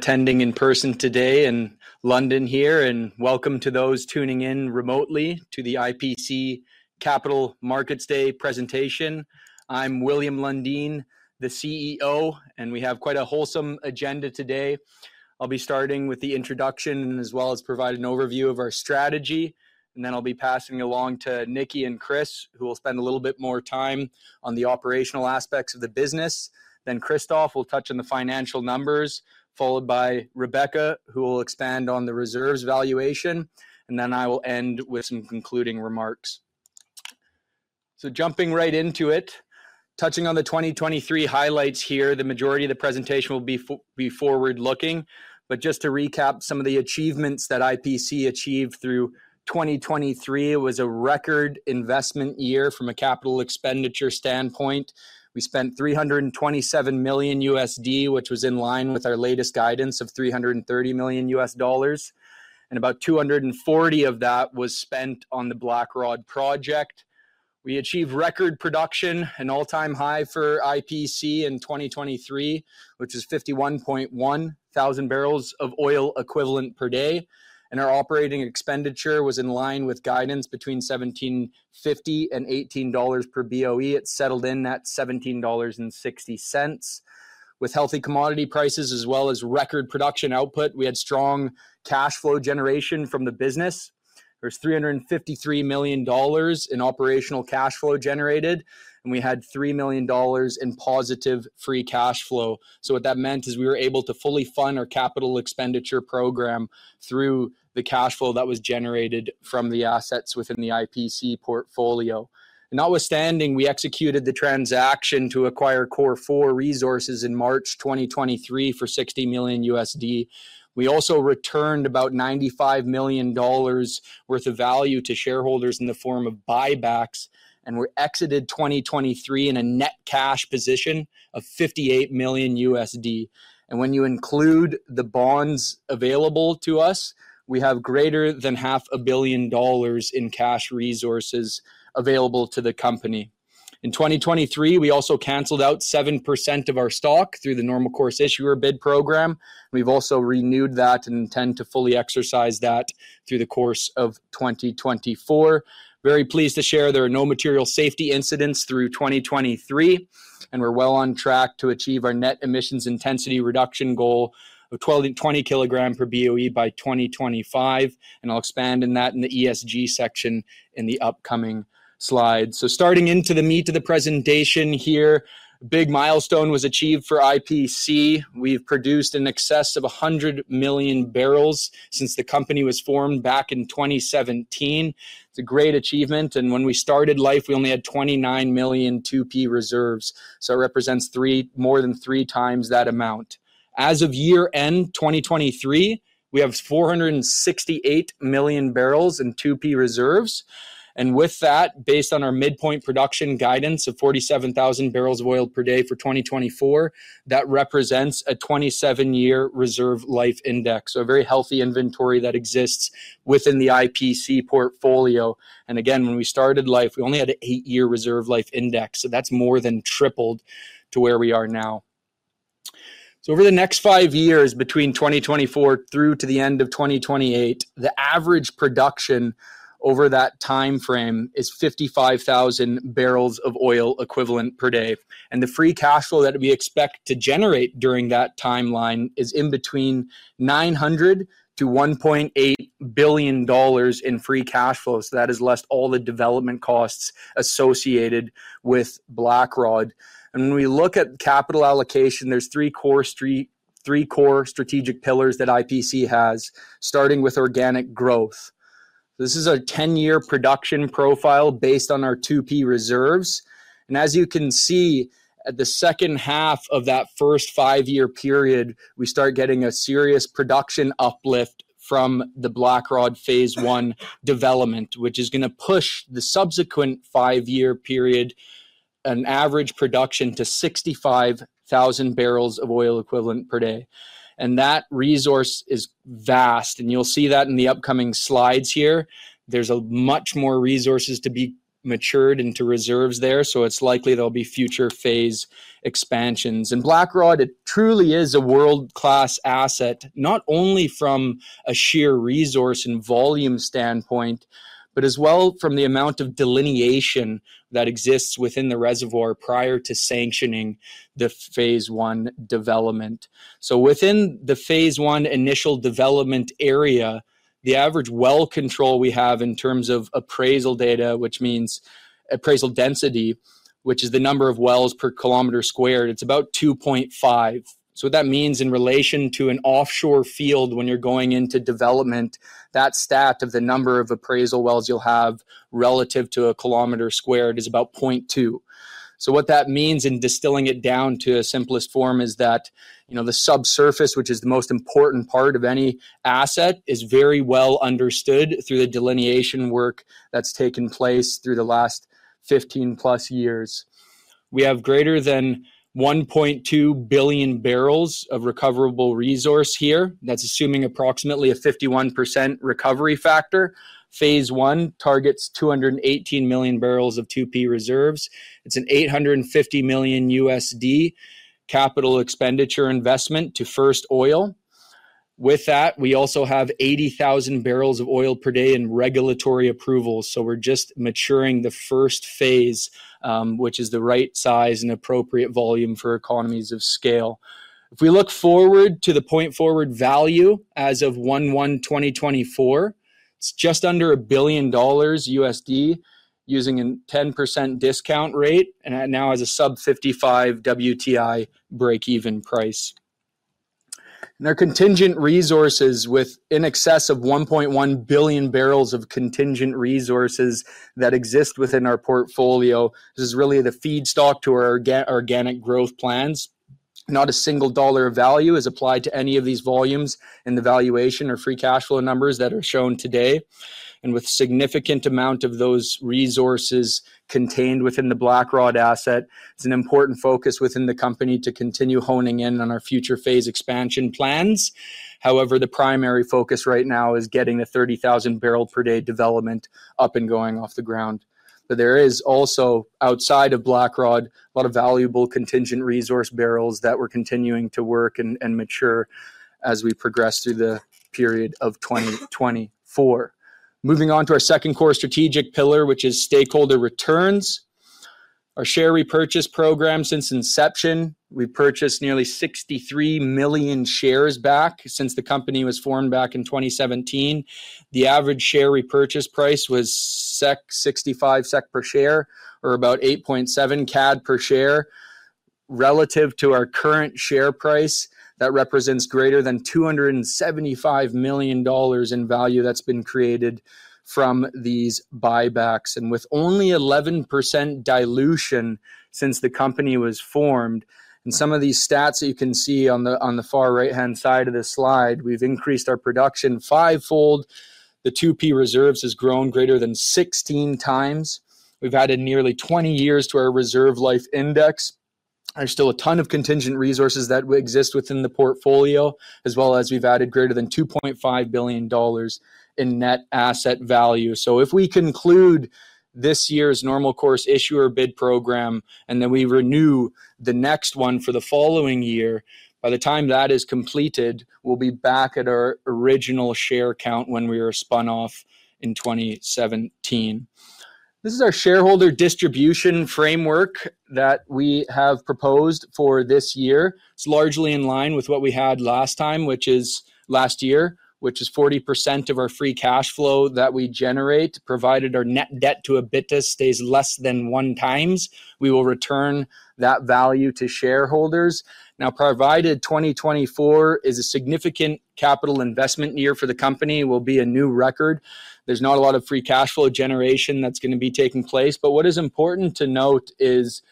Attending in person today in London here, and welcome to those tuning in remotely to the IPC Capital Markets Day presentation. I'm William Lundin, the CEO, and we have quite a wholesome agenda today. I'll be starting with the introduction, and as well as provide an overview of our strategy, and then I'll be passing you along to Mike and Chris, who will spend a little bit more time on the operational aspects of the business. Then Christophe will touch on the financial numbers, followed by Rebecca, who will expand on the reserves valuation, and then I will end with some concluding remarks. So jumping right into it, touching on the 2023 highlights here, the majority of the presentation will be forward-looking. But just to recap some of the achievements that IPC achieved through 2023, it was a record investment year from a capital expenditure standpoint. We spent $327 million, which was in line with our latest guidance of $330 million, and about $240 million of that was spent on the Blackrod project. We achieved record production, an all-time high for IPC in 2023, which is 51.1 thousand barrels of oil equivalent per day, and our operating expenditure was in line with guidance between $17.50-$18 per BOE. It settled in at $17.60. With healthy commodity prices as well as record production output, we had strong cash flow generation from the business. There's $353 million in operational cash flow generated, and we had $3 million in positive free cash flow. So what that meant is we were able to fully fund our capital expenditure program through the cash flow that was generated from the assets within the IPC portfolio. Notwithstanding, we executed the transaction to acquire Cor4 resources in March 2023 for $60 million. We also returned about $95 million worth of value to shareholders in the form of buybacks, and we exited 2023 in a net cash position of $58 million. And when you include the bonds available to us, we have greater than $500 million in cash resources available to the company. In 2023, we also canceled out 7% of our stock through the Normal Course Issuer Bid program. We've also renewed that and intend to fully exercise that through the course of 2024. Very pleased to share there are no material safety incidents through 2023, and we're well on track to achieve our net emissions intensity reduction goal of 12-20 kilograms per BOE by 2025, and I'll expand on that in the ESG section in the upcoming slide. So starting into the meat of the presentation here, a big milestone was achieved for IPC. We've produced in excess of 100 million barrels since the company was formed back in 2017. It's a great achievement, and when we started life, we only had 29 million 2P reserves, so it represents 3, more than 3 times that amount. As of year-end 2023, we have 468 million barrels in 2P reserves, and with that, based on our midpoint production guidance of 47,000 barrels of oil per day for 2024, that represents a 27-year reserve life index. So a very healthy inventory that exists within the IPC portfolio. And again, when we started life, we only had an 8-year reserve life index, so that's more than tripled to where we are now. So over the next 5 years, between 2024 through to the end of 2028, the average production over that timeframe is 55,000 barrels of oil equivalent per day. And the free cash flow that we expect to generate during that timeline is between $900 million-$1.8 billion in free cash flow. So that is less all the development costs associated with Blackrod. And when we look at capital allocation, there's three core strategic pillars that IPC has, starting with organic growth. This is a ten-year production profile based on our 2P reserves, and as you can see, at the second half of that first five-year period, we start getting a serious production uplift from the Blackrod Phase 1 development, which is gonna push the subsequent five-year period, an average production to 65,000 barrels of oil equivalent per day. And that resource is vast, and you'll see that in the upcoming slides here. There's a much more resources to be matured into reserves there, so it's likely there'll be future phase expansions. And Blackrod, it truly is a world-class asset, not only from a sheer resource and volume standpoint, but as well from the amount of delineation that exists within the reservoir prior to sanctioning the Phase 1 development. So within the Phase 1 initial development area, the average well control we have in terms of appraisal data, which means appraisal density, which is the number of wells per square kilometer, it's about 2.5. So what that means in relation to an offshore field when you're going into development, that stat of the number of appraisal wells you'll have relative to a square kilometer is about 0.2. So what that means in distilling it down to a simplest form is that, you know, the subsurface, which is the most important part of any asset, is very well understood through the delineation work that's taken place through the last 15+ years. We have greater than 1.2 billion barrels of recoverable resource here. That's assuming approximately a 51% recovery factor. Phase 1 targets 218 million barrels of 2P reserves. It's an $850 million capital expenditure investment to first oil. With that, we also have 80,000 barrels of oil per day in regulatory approvals. So we're just maturing the first phase, which is the right size and appropriate volume for economies of scale. If we look forward to the point forward value as of 1/1/2024, it's just under $1 billion, using a 10% discount rate and it now has a sub-$55 WTI breakeven price. And our contingent resources within excess of 1.1 billion barrels of contingent resources that exist within our portfolio, this is really the feedstock to our organic growth plans. Not a single dollar of value is applied to any of these volumes in the valuation or free cash flow numbers that are shown today. With significant amount of those resources contained within the Blackrod asset, it's an important focus within the company to continue honing in on our future phase expansion plans. However, the primary focus right now is getting the 30,000 barrel per day development up and going off the ground. There is also, outside of Blackrod, a lot of valuable contingent resource barrels that we're continuing to work and mature as we progress through the period of 2024. Moving on to our second core strategic pillar, which is stakeholder returns. Our share repurchase program since inception, we purchased nearly 63 million shares back since the company was formed back in 2017. The average share repurchase price was 65 SEK per share or about 8.7 CAD per share. Relative to our current share price, that represents greater than $275 million in value that's been created from these buybacks, and with only 11% dilution since the company was formed. And some of these stats that you can see on the far right-hand side of this slide, we've increased our production fivefold. The 2P reserves has grown greater than 16 times. We've added nearly 20 years to our reserve life index. There's still a ton of contingent resources that exist within the portfolio, as well as we've added greater than $2.5 billion in net asset value. So if we conclude this year's Normal Course Issuer Bid program, and then we renew the next one for the following year, by the time that is completed, we'll be back at our original share count when we were spun off in 2017. This is our shareholder distribution framework that we have proposed for this year. It's largely in line with what we had last time, which is last year, which is 40% of our free cash flow that we generate, provided our net debt to EBITDA stays less than 1x, we will return that value to shareholders. Now, provided 2024 is a significant capital investment year for the company, will be a new record. There's not a lot of free cash flow generation that's gonna be taking place. But what is important to note is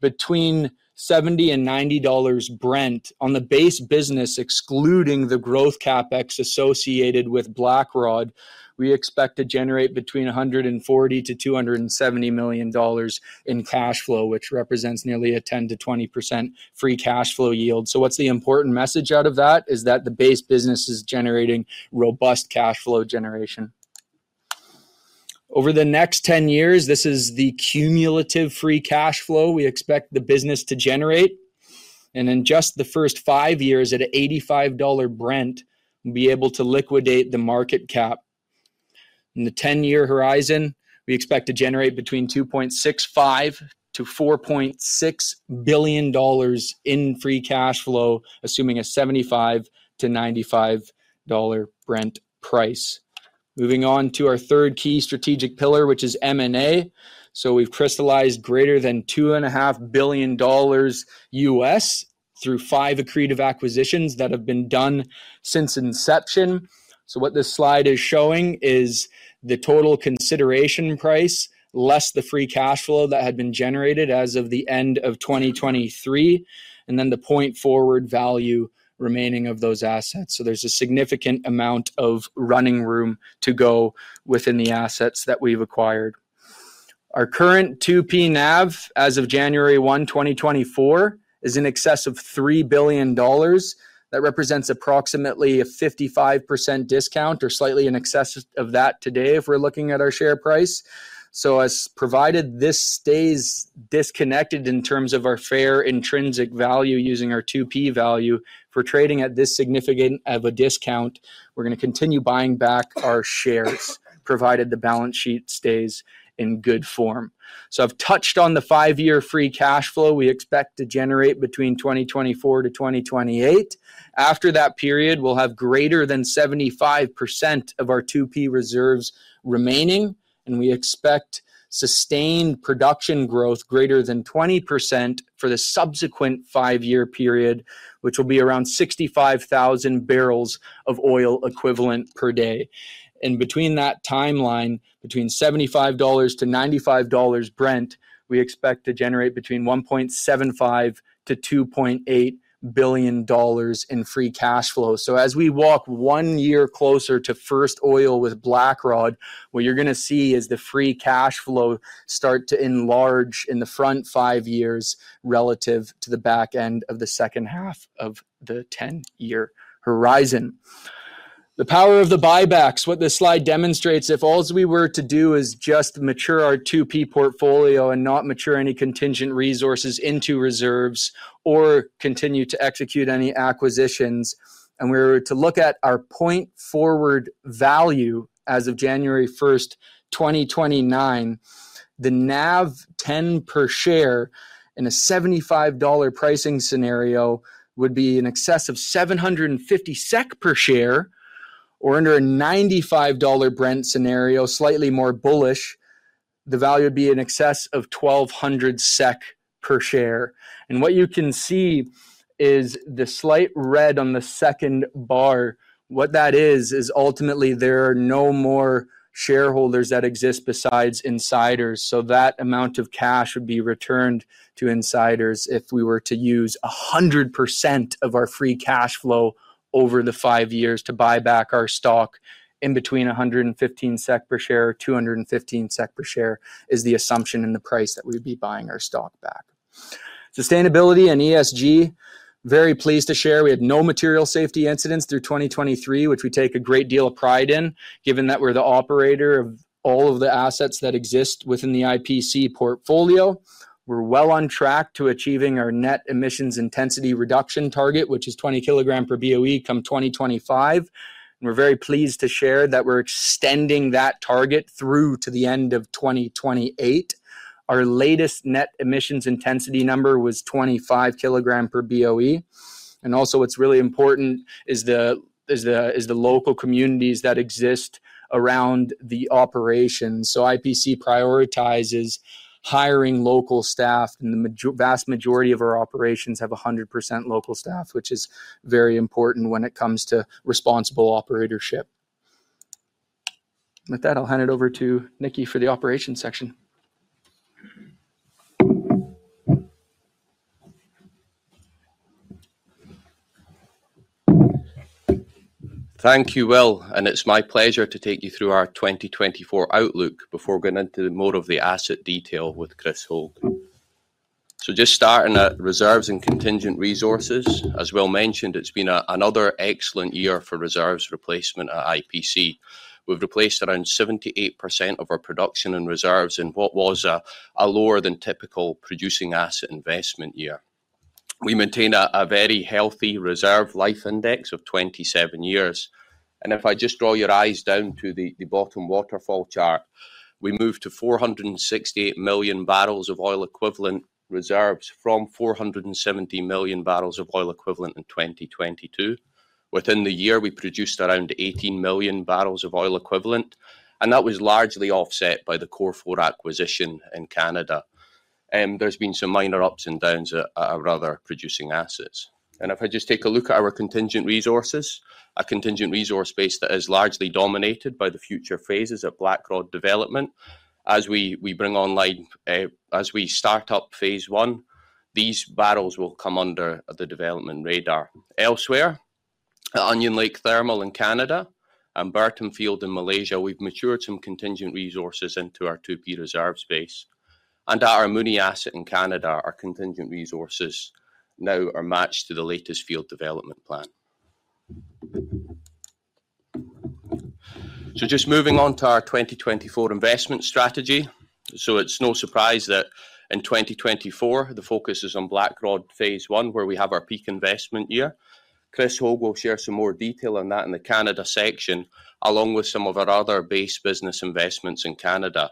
between $70-$90 Brent on the base business, excluding the growth CapEx associated with Blackrod, we expect to generate between $140 million-$270 million in cash flow, which represents nearly a 10%-20% free cash flow yield. So what's the important message out of that? Is that the base business is generating robust cash flow generation. Over the next 10 years, this is the cumulative free cash flow we expect the business to generate. In just the first 5 years, at $85 Brent, we'll be able to liquidate the market cap. In the 10-year horizon, we expect to generate between $2.65 billion-$4.6 billion in free cash flow, assuming a $75-$95 Brent price. Moving on to our third key strategic pillar, which is M&A. So we've crystallized greater than $2.5 billion, through 5 accretive acquisitions that have been done since inception. So what this slide is showing is the total consideration price, less the free cash flow that had been generated as of the end of 2023, and then the point forward value remaining of those assets. So there's a significant amount of running room to go within the assets that we've acquired. Our current 2P NAV as of January 1, 2024, is in excess of $3 billion. That represents approximately a 55% discount or slightly in excess of that today, if we're looking at our share price. So as provided, this stays disconnected in terms of our fair intrinsic value, using our 2P value. For trading at this significant of a discount, we're gonna continue buying back our shares, provided the balance sheet stays in good form. So I've touched on the five-year free cash flow we expect to generate between 2024 to 2028. After that period, we'll have greater than 75% of our 2P reserves remaining, and we expect sustained production growth greater than 20% for the subsequent five-year period, which will be around 65,000 barrels of oil equivalent per day. Between that timeline, between $75-$95 Brent, we expect to generate between $1.75-$2.8 billion in free cash flow. So as we walk one year closer to first oil with Blackrod, what you're gonna see is the free cash flow start to enlarge in the front five years relative to the back end of the second half of the 10-year horizon.... The power of the buybacks. What this slide demonstrates, if all we were to do is just mature our 2P portfolio and not mature any contingent resources into reserves or continue to execute any acquisitions, and we were to look at our point forward value as of January 1st, 2029, the NAV 10 per share in a $75 pricing scenario would be in excess of 750 SEK per share, or under a $95 Brent scenario, slightly more bullish, the value would be in excess of 1,200 SEK per share. What you can see is the slight red on the second bar. What that is, is ultimately there are no more shareholders that exist besides insiders. So that amount of cash would be returned to insiders if we were to use 100% of our free cash flow over the 5 years to buy back our stock between 115 SEK per share and 215 SEK per share, is the assumption in the price that we'd be buying our stock back. Sustainability and ESG. Very pleased to share we had no material safety incidents through 2023, which we take a great deal of pride in, given that we're the operator of all of the assets that exist within the IPC portfolio. We're well on track to achieving our net emissions intensity reduction target, which is 20 kg per BOE come 2025. We're very pleased to share that we're extending that target through to the end of 2028. Our latest net emissions intensity number was 25 kg per BOE. Also, what's really important is the local communities that exist around the operations. So IPC prioritizes hiring local staff, and the vast majority of our operations have 100% local staff, which is very important when it comes to responsible operatorship. With that, I'll hand it over to Mike for the operations section. Thank you, Will, and it's my pleasure to take you through our 2024 outlook before getting into more of the asset detail with Chris Hogue. So just starting at reserves and contingent resources. As Will mentioned, it's been another excellent year for reserves replacement at IPC. We've replaced around 78% of our production and reserves in what was a lower than typical producing asset investment year. We maintain a very healthy reserve life index of 27 years, and if I just draw your eyes down to the bottom waterfall chart, we moved to 468 million barrels of oil equivalent reserves from 470 million barrels of oil equivalent in 2022. Within the year, we produced around 18 million barrels of oil equivalent, and that was largely offset by the Cor4 acquisition in Canada. There's been some minor ups and downs at our other producing assets. If I just take a look at our contingent resources, our contingent resource base that is largely dominated by the future phases of Blackrod development. As we bring online, as we start up Phase 1, these barrels will come under the development radar. Elsewhere, at Onion Lake Thermal in Canada and Bertam field in Malaysia, we've matured some contingent resources into our 2P reserve space. At our Mooney asset in Canada, our contingent resources now are matched to the latest field development plan. Just moving on to our 2024 investment strategy. It's no surprise that in 2024, the focus is on Blackrod Phase 1, where we have our peak investment year. Chris Hogue will share some more detail on that in the Canada section, along with some of our other base business investments in Canada.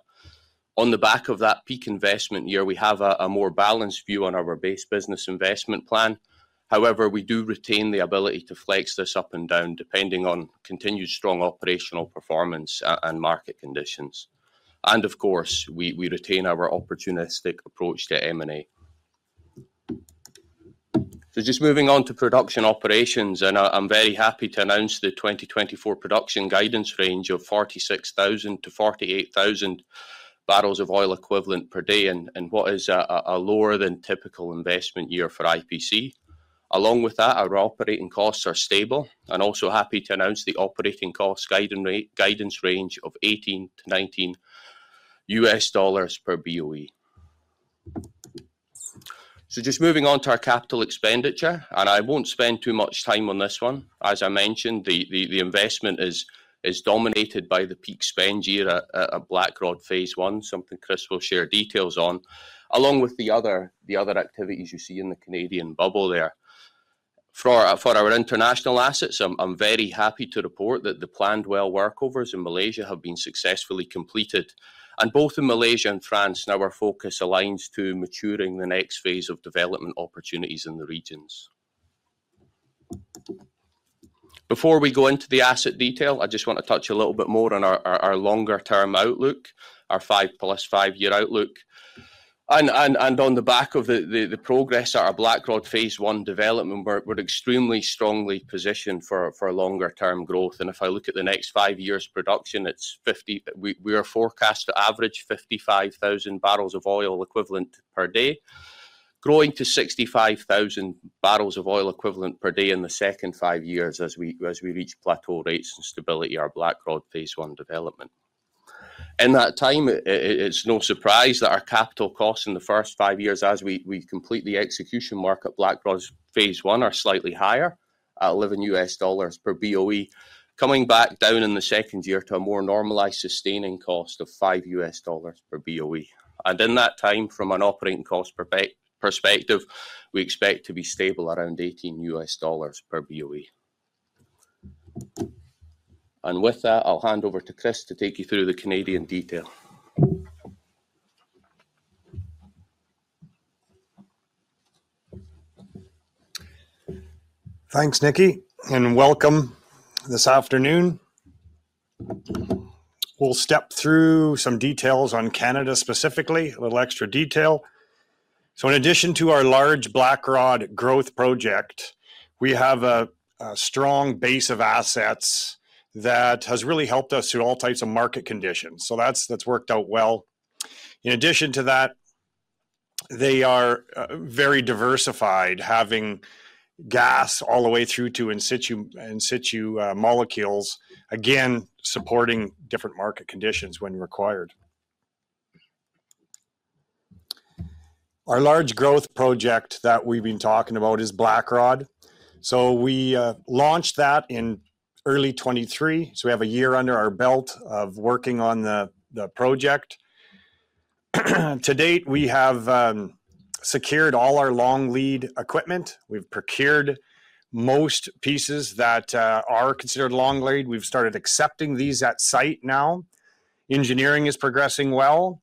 On the back of that peak investment year, we have a more balanced view on our base business investment plan. However, we do retain the ability to flex this up and down, depending on continued strong operational performance and market conditions. And of course, we retain our opportunistic approach to M&A. So just moving on to production operations, and I'm very happy to announce the 2024 production guidance range of 46,000 to 48,000 barrels of oil equivalent per day in what is a lower than typical investment year for IPC. Along with that, our operating costs are stable and also happy to announce the operating cost guidance range of $18-$19 per BOE. So just moving on to our capital expenditure, and I won't spend too much time on this one. As I mentioned, the investment is dominated by the peak spend year at Blackrod Phase 1, something Chris will share details on, along with the other activities you see in the Canadian bubble there. For our international assets, I'm very happy to report that the planned well workovers in Malaysia have been successfully completed. And both in Malaysia and France, now our focus aligns to maturing the next phase of development opportunities in the regions. Before we go into the asset detail, I just want to touch a little bit more on our longer-term outlook, our five plus five-year outlook. On the back of the progress at our Blackrod Phase 1 development, we're extremely strongly positioned for longer-term growth. If I look at the next five years' production, we are forecast to average 55,000 barrels of oil equivalent per day, growing to 65,000 barrels of oil equivalent per day in the second five years as we reach plateau rates and stability at our Blackrod Phase 1 development. In that time, it's no surprise that our capital costs in the first five years as we complete the execution work at Blackrod's Phase 1 are slightly higher, at $11 per BOE. Coming back down in the second year to a more normalized sustaining cost of $5 per BOE. And in that time, from an operating cost perspective, we expect to be stable around $18 per BOE. And with that, I'll hand over to Chris to take you through the Canadian detail. Thanks, Mike, and welcome this afternoon. We'll step through some details on Canada, specifically, a little extra detail. So in addition to our large Blackrod growth project, we have a strong base of assets that has really helped us through all types of market conditions. So that's worked out well. In addition to that, they are very diversified, having gas all the way through to in situ molecules, again, supporting different market conditions when required. Our large growth project that we've been talking about is Blackrod. So we launched that in early 2023, so we have a year under our belt of working on the project. To date, we have secured all our long lead equipment. We've procured most pieces that are considered long lead. We've started accepting these at site now. Engineering is progressing well,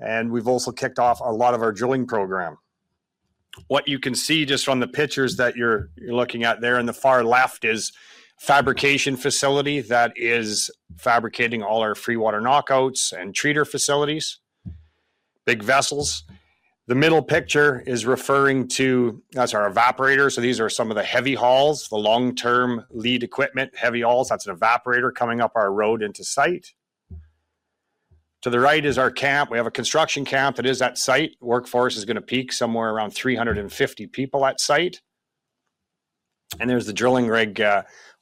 and we've also kicked off a lot of our drilling program. What you can see just from the pictures that you're looking at there on the far left is a fabrication facility that is fabricating all our free water knockouts and treater facilities. Big vessels. The middle picture is referring to... That's our evaporator, so these are some of the heavy hauls, the long-lead equipment, heavy hauls. That's an evaporator coming up our road into site. To the right is our camp. We have a construction camp that is at site. Workforce is gonna peak somewhere around 350 people at site. And there's the drilling rig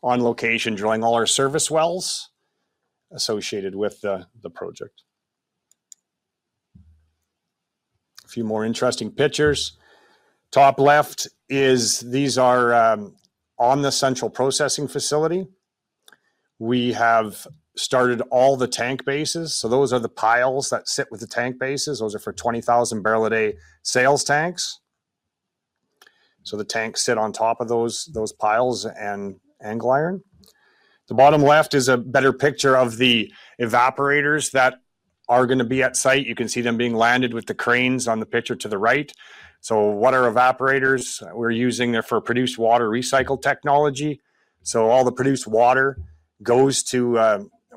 on location, drilling all our service wells associated with the project. A few more interesting pictures. Top left is, these are on the central processing facility. We have started all the tank bases, so those are the piles that sit with the tank bases. Those are for 20,000 barrel a day sales tanks. So the tanks sit on top of those, those piles and angle iron. The bottom left is a better picture of the evaporators that are gonna be at site. You can see them being landed with the cranes on the picture to the right. So what are evaporators? We're using them for produced water recycle technology. So all the produced water goes to,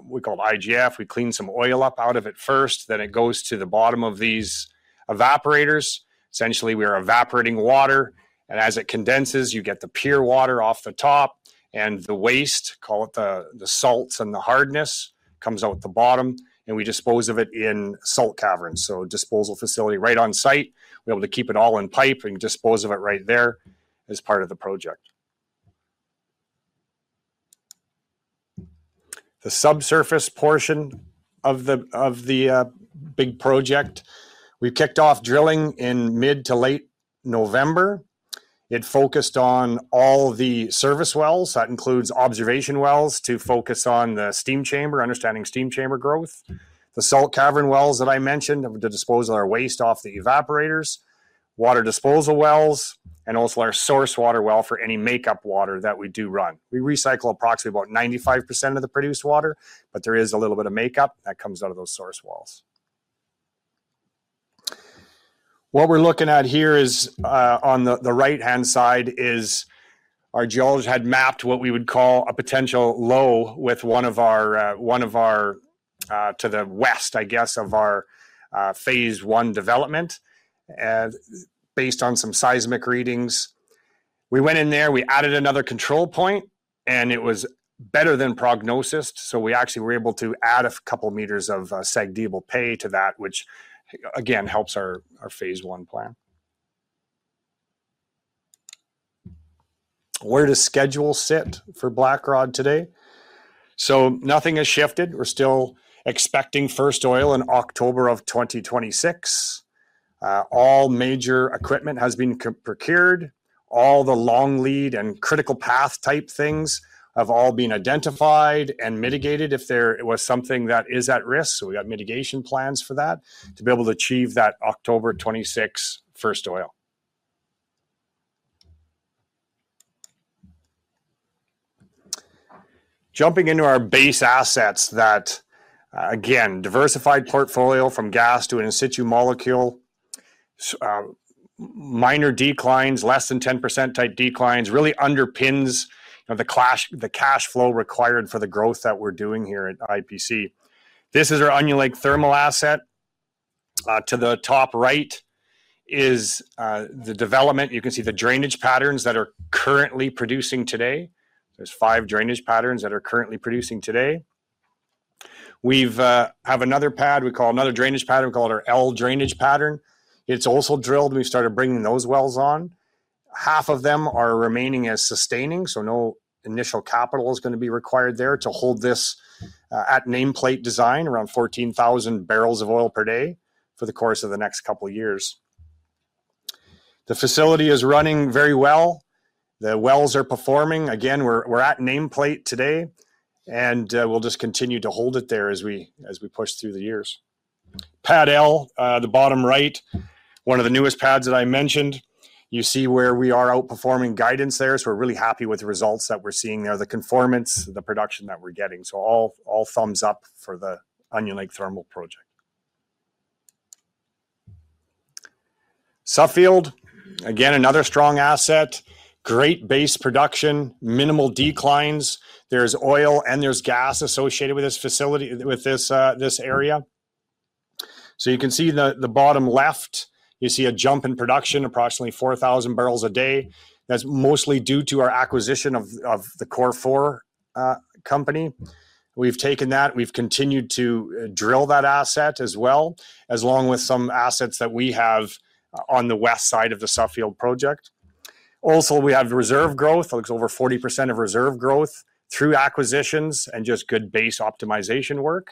we call it IGF. We clean some oil up out of it first, then it goes to the bottom of these evaporators. Essentially, we are evaporating water, and as it condenses, you get the pure water off the top, and the waste, call it the salts and the hardness, comes out the bottom, and we dispose of it in salt caverns. So disposal facility right on site. We're able to keep it all in pipe and dispose of it right there as part of the project. The subsurface portion of the big project. We kicked off drilling in mid to late November. It focused on all the service wells, that includes observation wells, to focus on the steam chamber, understanding steam chamber growth. The salt cavern wells that I mentioned, to dispose of our waste off the evaporators, water disposal wells, and also our source water well for any makeup water that we do run. We recycle approximately about 95% of the produced water, but there is a little bit of makeup that comes out of those source wells. What we're looking at here is, on the right-hand side, is our geologists had mapped what we would call a potential low with one of our, to the west, I guess, of our Phase 1 development, based on some seismic readings. We went in there, we added another control point, and it was better than prognosed, so we actually were able to add a couple meters of SAGD-able pay to that, which again helps our Phase 1 plan. Where does schedule sit for Blackrod today? So nothing has shifted. We're still expecting first oil in October 2026. All major equipment has been procured. All the long lead and critical path type things have all been identified and mitigated, if there was something that is at risk. So we've got mitigation plans for that to be able to achieve that October, 2026 first oil. Jumping into our base assets that, again, diversified portfolio from gas to an in situ molecule. So, minor declines, less than 10% type declines, really underpins the cash flow required for the growth that we're doing here at IPC. This is our Onion Lake thermal asset. To the top right is the development. You can see the drainage patterns that are currently producing today. There's five drainage patterns that are currently producing today. We have another pad, we call another drainage pattern, we call it our L drainage pattern. It's also drilled, and we started bringing those wells on. Half of them are remaining as sustaining, so no initial capital is going to be required there to hold this at nameplate design, around 14,000 barrels of oil per day for the course of the next couple of years. The facility is running very well. The wells are performing. Again, we're, we're at nameplate today, and we'll just continue to hold it there as we, as we push through the years. Pad L, the bottom right, one of the newest pads that I mentioned. You see where we are outperforming guidance there, so we're really happy with the results that we're seeing there, the conformance, the production that we're getting. So all, all thumbs up for the Onion Lake Thermal project. Suffield, again, another strong asset, great base production, minimal declines. There's oil and there's gas associated with this facility with this area. So you can see the bottom left, you see a jump in production, approximately 4,000 barrels a day. That's mostly due to our acquisition of the Cor4 company. We've taken that, we've continued to drill that asset as well as along with some assets that we have on the west side of the Suffield project. Also, we have reserve growth, looks over 40% of reserve growth through acquisitions and just good base optimization work.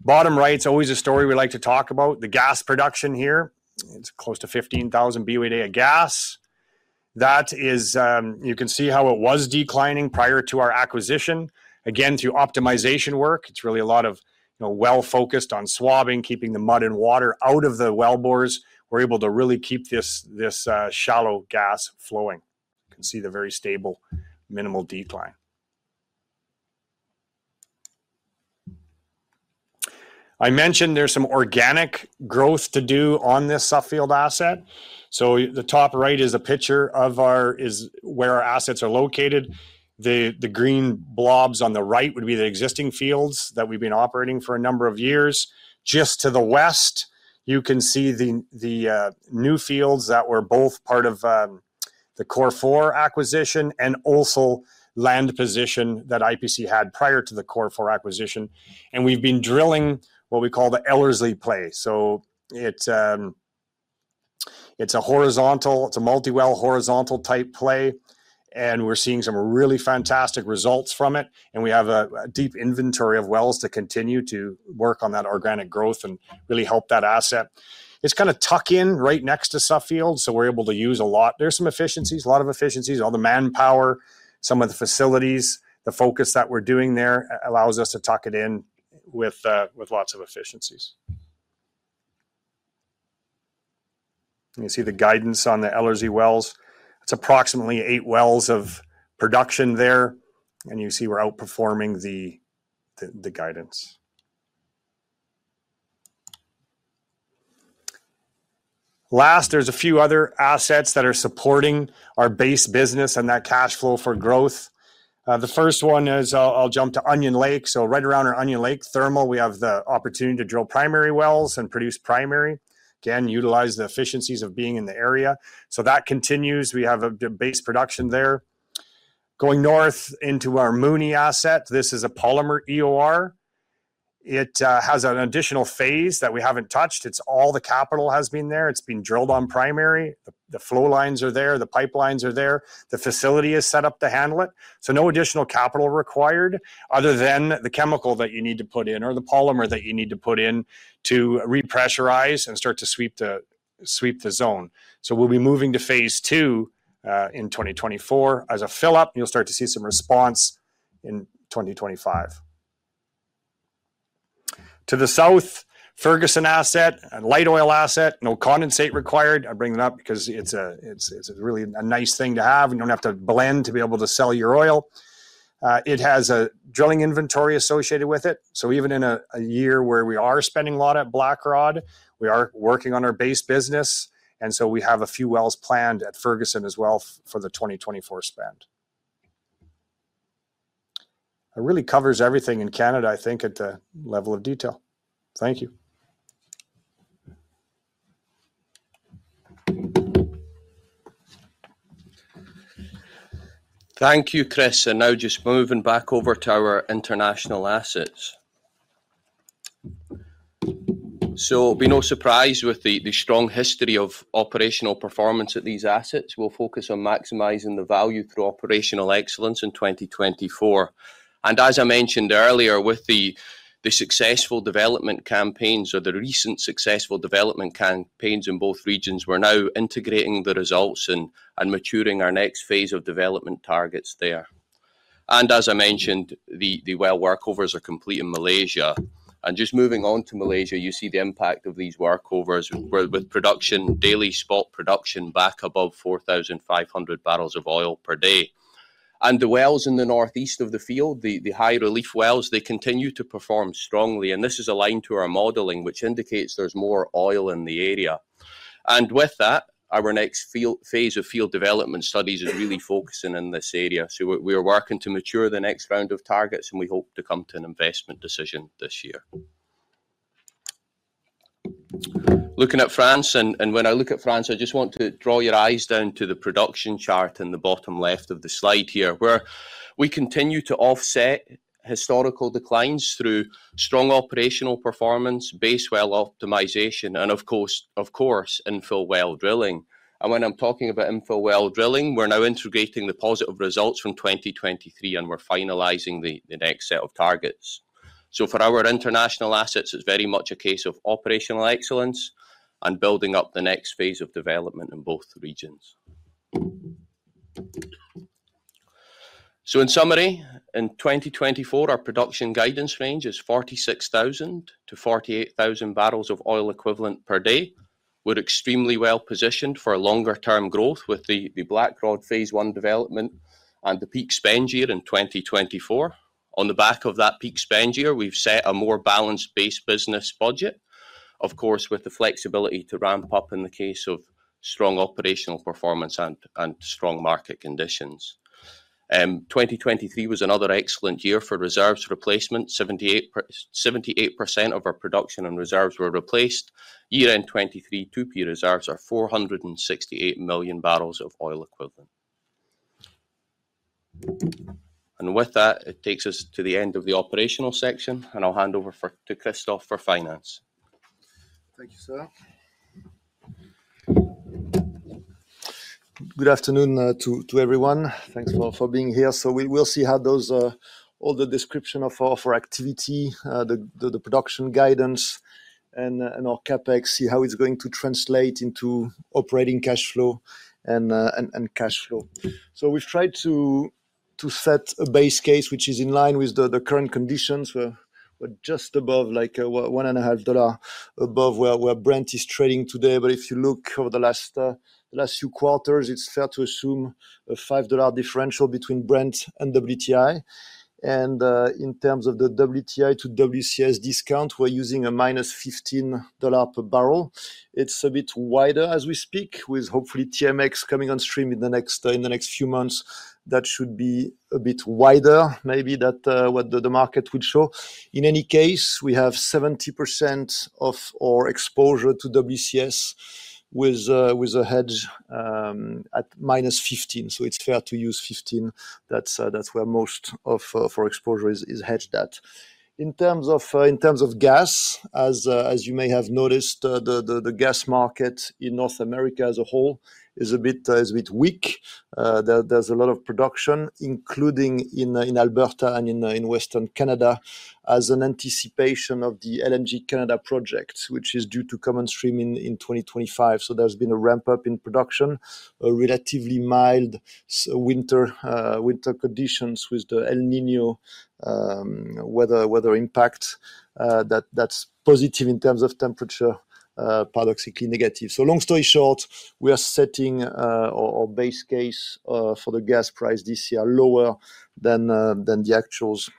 Bottom right's always a story we like to talk about. The gas production here, it's close to 15,000 BOE a day of gas. That is, you can see how it was declining prior to our acquisition. Again, through optimization work, it's really a lot of, you know, well-focused on swabbing, keeping the mud and water out of the wellbores. We're able to really keep this shallow gas flowing. You can see the very stable, minimal decline. I mentioned there's some organic growth to do on this Suffield asset. So the top right is a picture of where our assets are located. The green blobs on the right would be the existing fields that we've been operating for a number of years. Just to the west, you can see the new fields that were both part of the Cor4 acquisition and also land position that IPC had prior to the Cor4 acquisition. And we've been drilling what we call the Ellerslie play. So it's a horizontal, it's a multi-well horizontal type play, and we're seeing some really fantastic results from it. We have a deep inventory of wells to continue to work on that organic growth and really help that asset. It's kind of tucked in right next to Suffield, so we're able to use a lot. There's some efficiencies, a lot of efficiencies, all the manpower, some of the facilities. The focus that we're doing there allows us to tuck it in with lots of efficiencies. You can see the guidance on the Ellerslie wells. It's approximately 8 wells of production there, and you see we're outperforming the guidance. Last, there's a few other assets that are supporting our base business and that cash flow for growth. The first one is I'll jump to Onion Lake. So right around our Onion Lake Thermal, we have the opportunity to drill primary wells and produce primary. Again, utilize the efficiencies of being in the area. So that continues. We have a base production there. Going north into our Mooney asset, this is a polymer EOR. It has an additional phase that we haven't touched. It's all the capital has been there. It's been drilled on primary. The, the flow lines are there, the pipelines are there. The facility is set up to handle it, so no additional capital required other than the chemical that you need to put in or the polymer that you need to put in to repressurize and start to sweep the, sweep the zone. So we'll be moving to Phase 2 in 2024. As a fill-up, you'll start to see some response in 2025. To the south, Ferguson asset and light oil asset, no condensate required. I bring it up because it's really a nice thing to have. You don't have to blend to be able to sell your oil. It has a drilling inventory associated with it, so even in a year where we are spending a lot at Blackrod, we are working on our base business, and so we have a few wells planned at Ferguson as well for the 2024 spend. It really covers everything in Canada, I think, at the level of detail. Thank you. Thank you, Chris, and now just moving back over to our international assets. So be no surprise with the, the strong history of operational performance at these assets. We'll focus on maximizing the value through operational excellence in 2024. And as I mentioned earlier, with the, the successful development campaigns or the recent successful development campaigns in both regions, we're now integrating the results and, and maturing our next phase of development targets there. And as I mentioned, the, the well workovers are complete in Malaysia. And just moving on to Malaysia, you see the impact of these workovers with, with production, daily spot production back above 4,500 barrels of oil per day. And the wells in the northeast of the field, the high relief wells, they continue to perform strongly, and this is aligned to our modeling, which indicates there's more oil in the area. And with that, our next phase of field development studies is really focusing in this area. So we are working to mature the next round of targets, and we hope to come to an investment decision this year. Looking at France, and when I look at France, I just want to draw your eyes down to the production chart in the bottom left of the slide here, where we continue to offset historical declines through strong operational performance, base well optimization, and of course, infill well drilling. And when I'm talking about infill well drilling, we're now integrating the positive results from 2023, and we're finalizing the next set of targets. So for our international assets, it's very much a case of operational excellence and building up the next phase of development in both regions. So in summary, in 2024, our production guidance range is 46,000-48,000 barrels of oil equivalent per day. We're extremely well positioned for longer-term growth with the Blackrod Phase 1 development and the peak spend year in 2024. On the back of that peak spend year, we've set a more balanced base business budget, of course, with the flexibility to ramp up in the case of strong operational performance and strong market conditions. 2023 was another excellent year for reserves replacement. Seventy-eight per... 78% of our production and reserves were replaced. Year-end 2023, 2P reserves are 468 million barrels of oil equivalent. And with that, it takes us to the end of the operational section, and I'll hand over to Christophe for finance. Thank you, sir. Good afternoon to everyone. Thanks for being here. So we will see how those all the description of our activity, the production guidance and our CapEx, see how it's going to translate into operating cash flow and cash flow. So we've tried to set a base case, which is in line with the current conditions. We're just above, like, $1.5 above where Brent is trading today. But if you look over the last few quarters, it's fair to assume a $5 differential between Brent and WTI. And in terms of the WTI to WCS discount, we're using a minus $15 per barrel. It's a bit wider as we speak, with hopefully TMX coming on stream in the next few months. That should be a bit wider, maybe that, what the, the market would show. In any case, we have 70% of our exposure to WCS with a, with a hedge at -$15, so it's fair to use fifteen. That's, that's where most of, for exposure is, is hedged at. In terms of, in terms of gas, as, as you may have noticed, the, the, the gas market in North America as a whole is a bit, is a bit weak. There, there's a lot of production, including in, in Alberta and in, in Western Canada, as an anticipation of the LNG Canada project, which is due to come on stream in, 2025. So there's been a ramp-up in production, a relatively mild winter conditions with the El Niño weather impact. That's positive in terms of temperature, paradoxically negative. So long story short, we are setting our base case for the gas price this year, lower than the actuals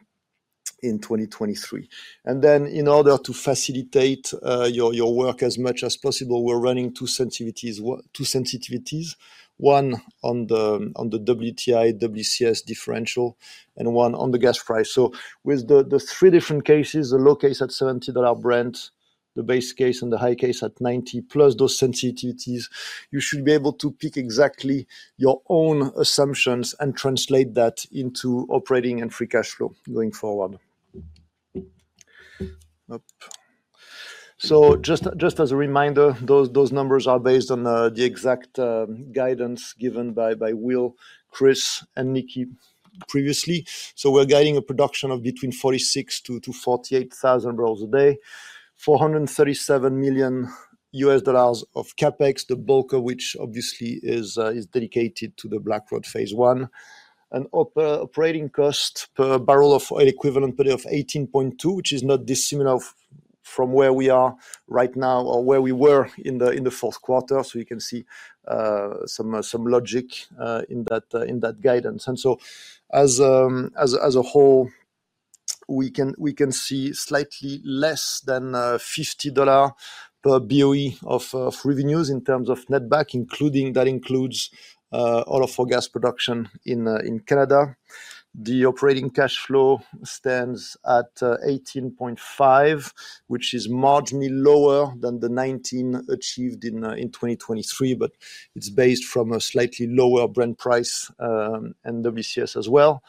in 2023. And then, in order to facilitate your work as much as possible, we're running two sensitivities, one on the WTI, WCS differential, and one on the gas price. So with the three different cases, the low case at $70 Brent, the base case and the high case at $90, plus those sensitivities, you should be able to pick exactly your own assumptions and translate that into operating and free cash flow going forward. So just as a reminder, those numbers are based on the exact guidance given by Will, Chris, and Mike previously. So we're guiding a production of between 46,000-48,000 barrels a day, $437 million of CapEx, the bulk of which obviously is dedicated to the Blackrod Phase 1. An operating cost per barrel of oil equivalent per day of 18.2, which is not dissimilar from where we are right now or where we were in the fourth quarter. So you can see some logic in that guidance. And so as a whole, we can see slightly less than $50 per BOE of revenues in terms of netback, including... That includes all of our gas production in Canada. The operating cash flow stands at $18.5, which is marginally lower than the $19 achieved in 2023, but it's based from a slightly lower Brent price and WCS as well.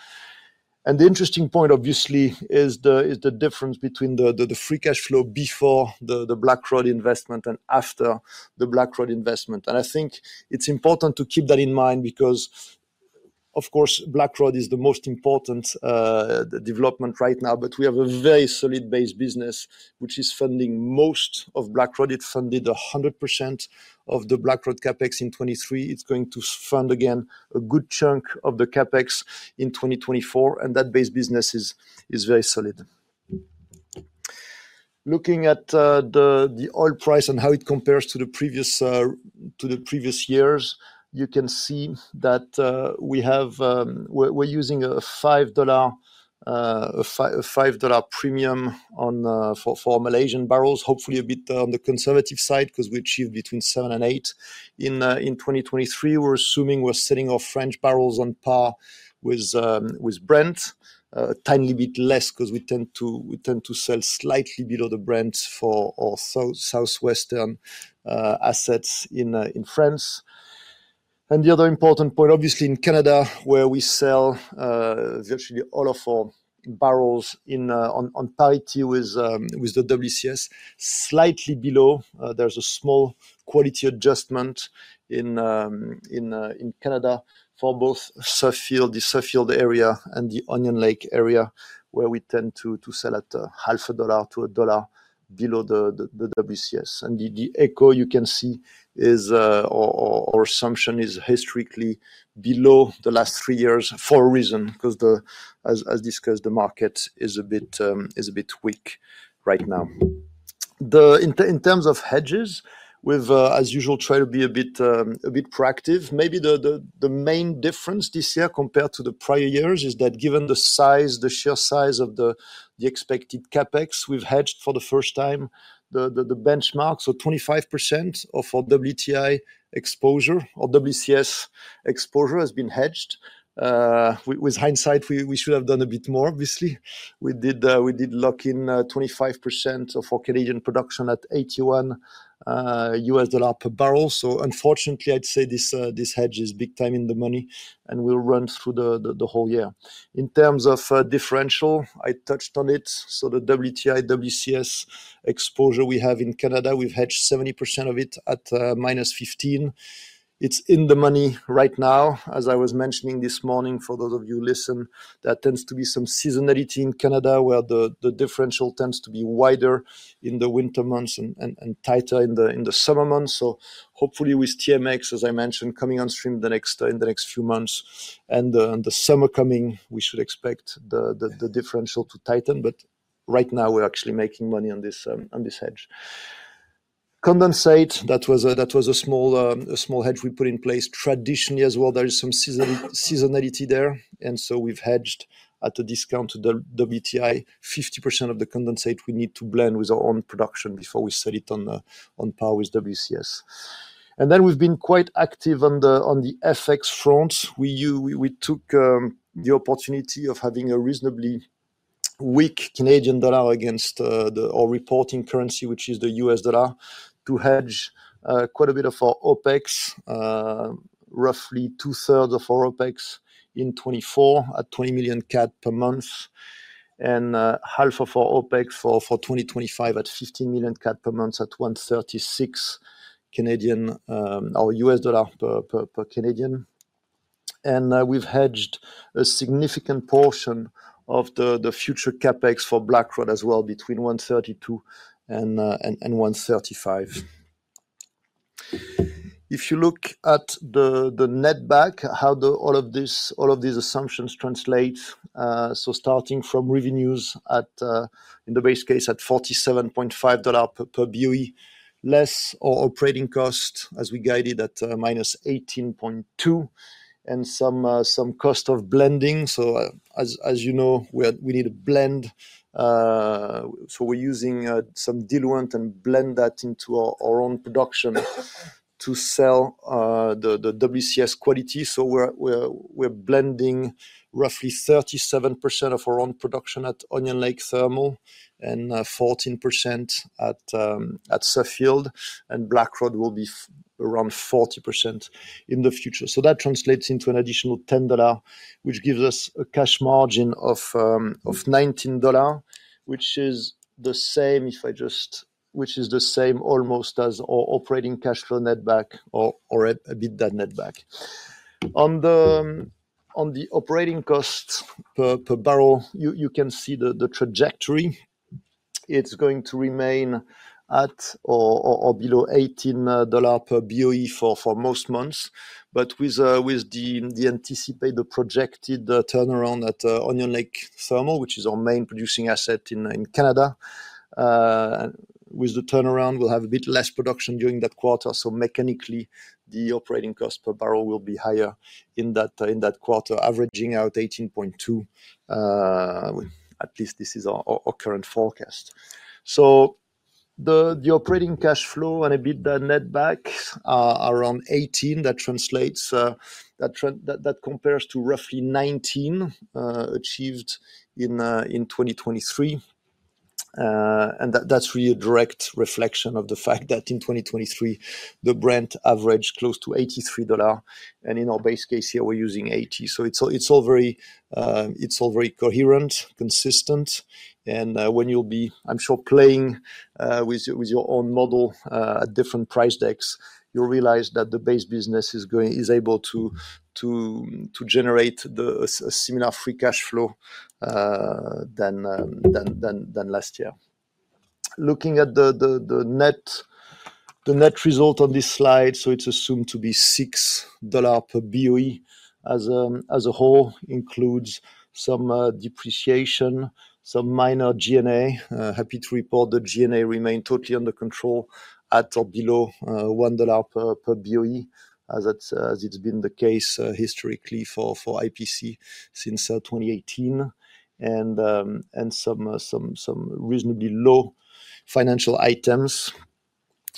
The interesting point, obviously, is the difference between the free cash flow before the Blackrod investment and after the Blackrod investment. I think it's important to keep that in mind because, of course, Blackrod is the most important development right now. But we have a very solid base business, which is funding most of Blackrod. It funded 100% of the Blackrod CapEx in 2023. It's going to fund again a good chunk of the CapEx in 2024, and that base business is very solid. Looking at the oil price and how it compares to the previous years, you can see that we have... We're using a $5 premium for Malaysian barrels, hopefully a bit on the conservative side, 'cause we achieved between $7 and $8. In 2023, we're assuming we're selling our French barrels on par with Brent. A tiny bit less, 'cause we tend to sell slightly below the Brent for our Southwestern assets in France. And the other important point, obviously, in Canada, where we sell virtually all of our barrels on parity with the WCS, slightly below, there's a small quality adjustment in Canada for both Suffield, the Suffield area, and the Onion Lake area, where we tend to sell at $0.50-$1.00 below the WCS. And the AECO, you can see our assumption is historically below the last three years for a reason, 'cause as discussed, the market is a bit weak right now. In terms of hedges, we've, as usual, tried to be a bit proactive. Maybe the main difference this year compared to the prior years is that given the size, the sheer size of the expected CapEx, we've hedged for the first time the benchmark. So 25% of our WTI exposure or WCS exposure has been hedged. With hindsight, we should have done a bit more, obviously. We did lock in 25% of our Canadian production at $81 per barrel. So unfortunately, I'd say this hedge is big time in the money and will run through the whole year. In terms of differential, I touched on it. So the WTI, WCS exposure we have in Canada, we've hedged 70% of it at -$15. It's in the money right now. As I was mentioning this morning, for those of you who listen, there tends to be some seasonality in Canada, where the differential tends to be wider in the winter months and tighter in the summer months. So hopefully with TMX, as I mentioned, coming on stream in the next few months and the summer coming, we should expect the differential to tighten. But right now, we're actually making money on this hedge. Condensate, that was a small hedge we put in place. Traditionally as well, there is some seasonality there, and so we've hedged at a discount to the WTI. 50% of the condensate we need to blend with our own production before we sell it on par with WCS. And then we've been quite active on the, on the FX front. We took the opportunity of having a reasonably weak Canadian dollar against our reporting currency, which is the US dollar, to hedge quite a bit of our OpEx, roughly two-thirds of our OpEx in 2024 at 20 million CAD per month, and half of our OpEx for 2025 at 15 million CAD per month at 1.36 Canadian or US dollar per Canadian. And we've hedged a significant portion of the future CapEx for Blackrod as well, between 1.32 and 1.35. If you look at the netback, how all of these assumptions translate, so starting from revenues at, in the base case, at $47.5 per BOE, less our operating cost, as we guided, at minus 18.2, and some cost of blending. So as you know, we need to blend, so we're using some diluent and blend that into our own production to sell the WCS quality. So we're blending roughly 37% of our own production at Onion Lake Thermal and 14% at Suffield, and Blackrod will be around 40% in the future. So that translates into an additional $10, which gives us a cash margin of nineteen dollar, which is the same almost as our operating cash flow netback or a bit that netback. On the operating cost per barrel, you can see the trajectory. It's going to remain at or below 18 dollar per BOE for most months. But with the anticipated projected turnaround at Onion Lake Thermal, which is our main producing asset in Canada, with the turnaround, we'll have a bit less production during that quarter, so mechanically, the operating cost per barrel will be higher in that quarter, averaging out 18.2. At least this is our current forecast. So the operating cash flow and EBITDA netback are around $18. That translates, that compares to roughly 19 achieved in 2023. And that's really a direct reflection of the fact that in 2023, the Brent averaged close to $83, and in our base case here, we're using $80. So it's all very coherent, consistent, and when you'll be, I'm sure, playing with your own model at different price decks, you'll realize that the base business is able to generate a similar free cash flow than last year. Looking at the net result on this slide, so it's assumed to be $6 per BOE as a whole, includes some depreciation, some minor G&A. Happy to report the G&A remained totally under control, at or below $1 per BOE, as it's been the case historically for IPC since 2018. And some reasonably low financial items.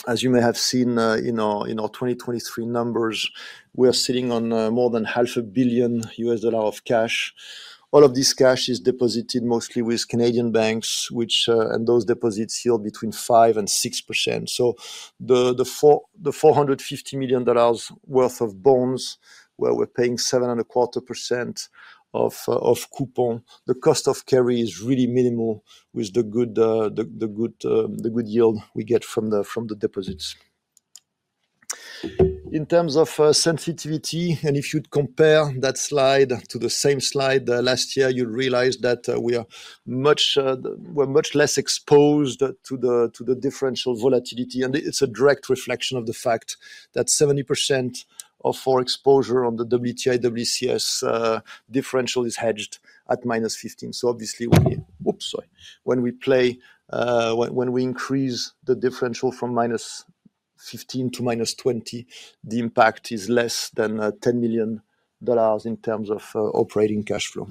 As you may have seen, in our 2023 numbers, we are sitting on more than $500 million of cash. All of this cash is deposited mostly with Canadian banks, which and those deposits yield 5%-6%. So the four hundred and fifty million dollars worth of bonds, where we're paying 7.25% of coupon, the cost of carry is really minimal with the good yield we get from the deposits. In terms of sensitivity, and if you'd compare that slide to the same slide last year, you'll realize that we are much less exposed to the differential volatility. And it's a direct reflection of the fact that 70% of our exposure on the WTI WCS differential is hedged at -15. So obviously, Oops, sorry. When we increase the differential from -15 to -20, the impact is less than $10 million in terms of operating cash flow.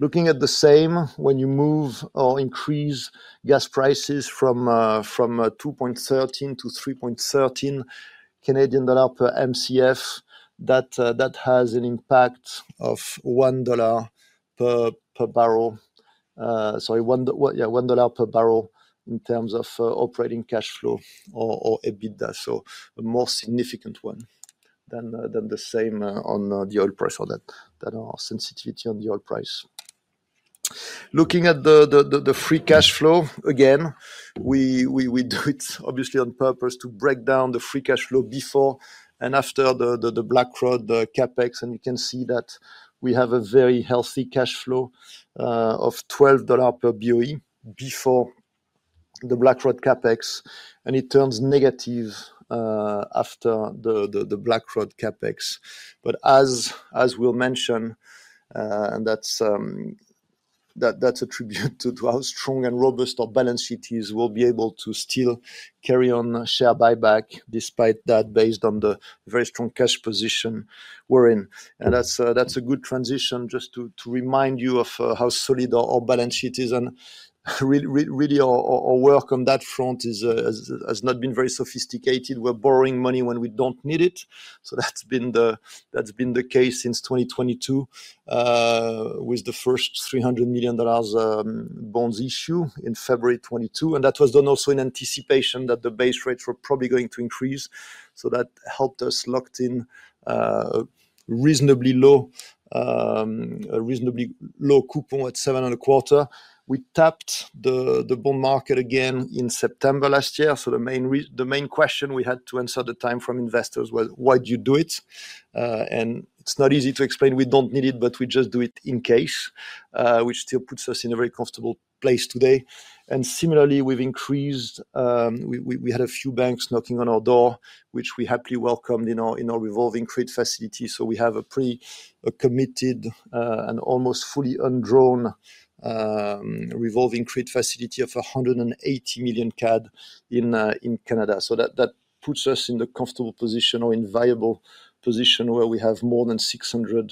Looking at the same, when you move or increase gas prices from 2.13 to 3.13 Canadian dollar per Mcf, that has an impact of $1 per barrel. One dollar per barrel in terms of operating cash flow or EBITDA, so a more significant one than the same on the oil price or that than our sensitivity on the oil price. Looking at the free cash flow, again, we do it obviously on purpose to break down the free cash flow before and after the Blackrod CapEx, and you can see that we have a very healthy cash flow of $12 per BOE before the Blackrod CapEx, and it turns negative after the Blackrod CapEx. But as we'll mention, and that's a tribute to how strong and robust our balance sheet is. We'll be able to still carry on share buyback despite that, based on the very strong cash position we're in. And that's a good transition, just to remind you of how solid our balance sheet is and really our work on that front is has not been very sophisticated. We're borrowing money when we don't need it, so that's been the case since 2022, with the first $300 million bonds issue in February 2022. And that was done also in anticipation that the base rates were probably going to increase, so that helped us locked in reasonably low, a reasonably low coupon at 7.25%. We tapped the bond market again in September last year, so the main question we had to answer at the time from investors was: Why do you do it? And it's not easy to explain. We don't need it, but we just do it in case, which still puts us in a very comfortable place today. And similarly, we've increased. We had a few banks knocking on our door, which we happily welcomed in our revolving credit facility. So we have a pre-committed and almost fully undrawn revolving credit facility of 180 million CAD in Canada. So that, that puts us in the comfortable position or enviable position where we have more than $600 million,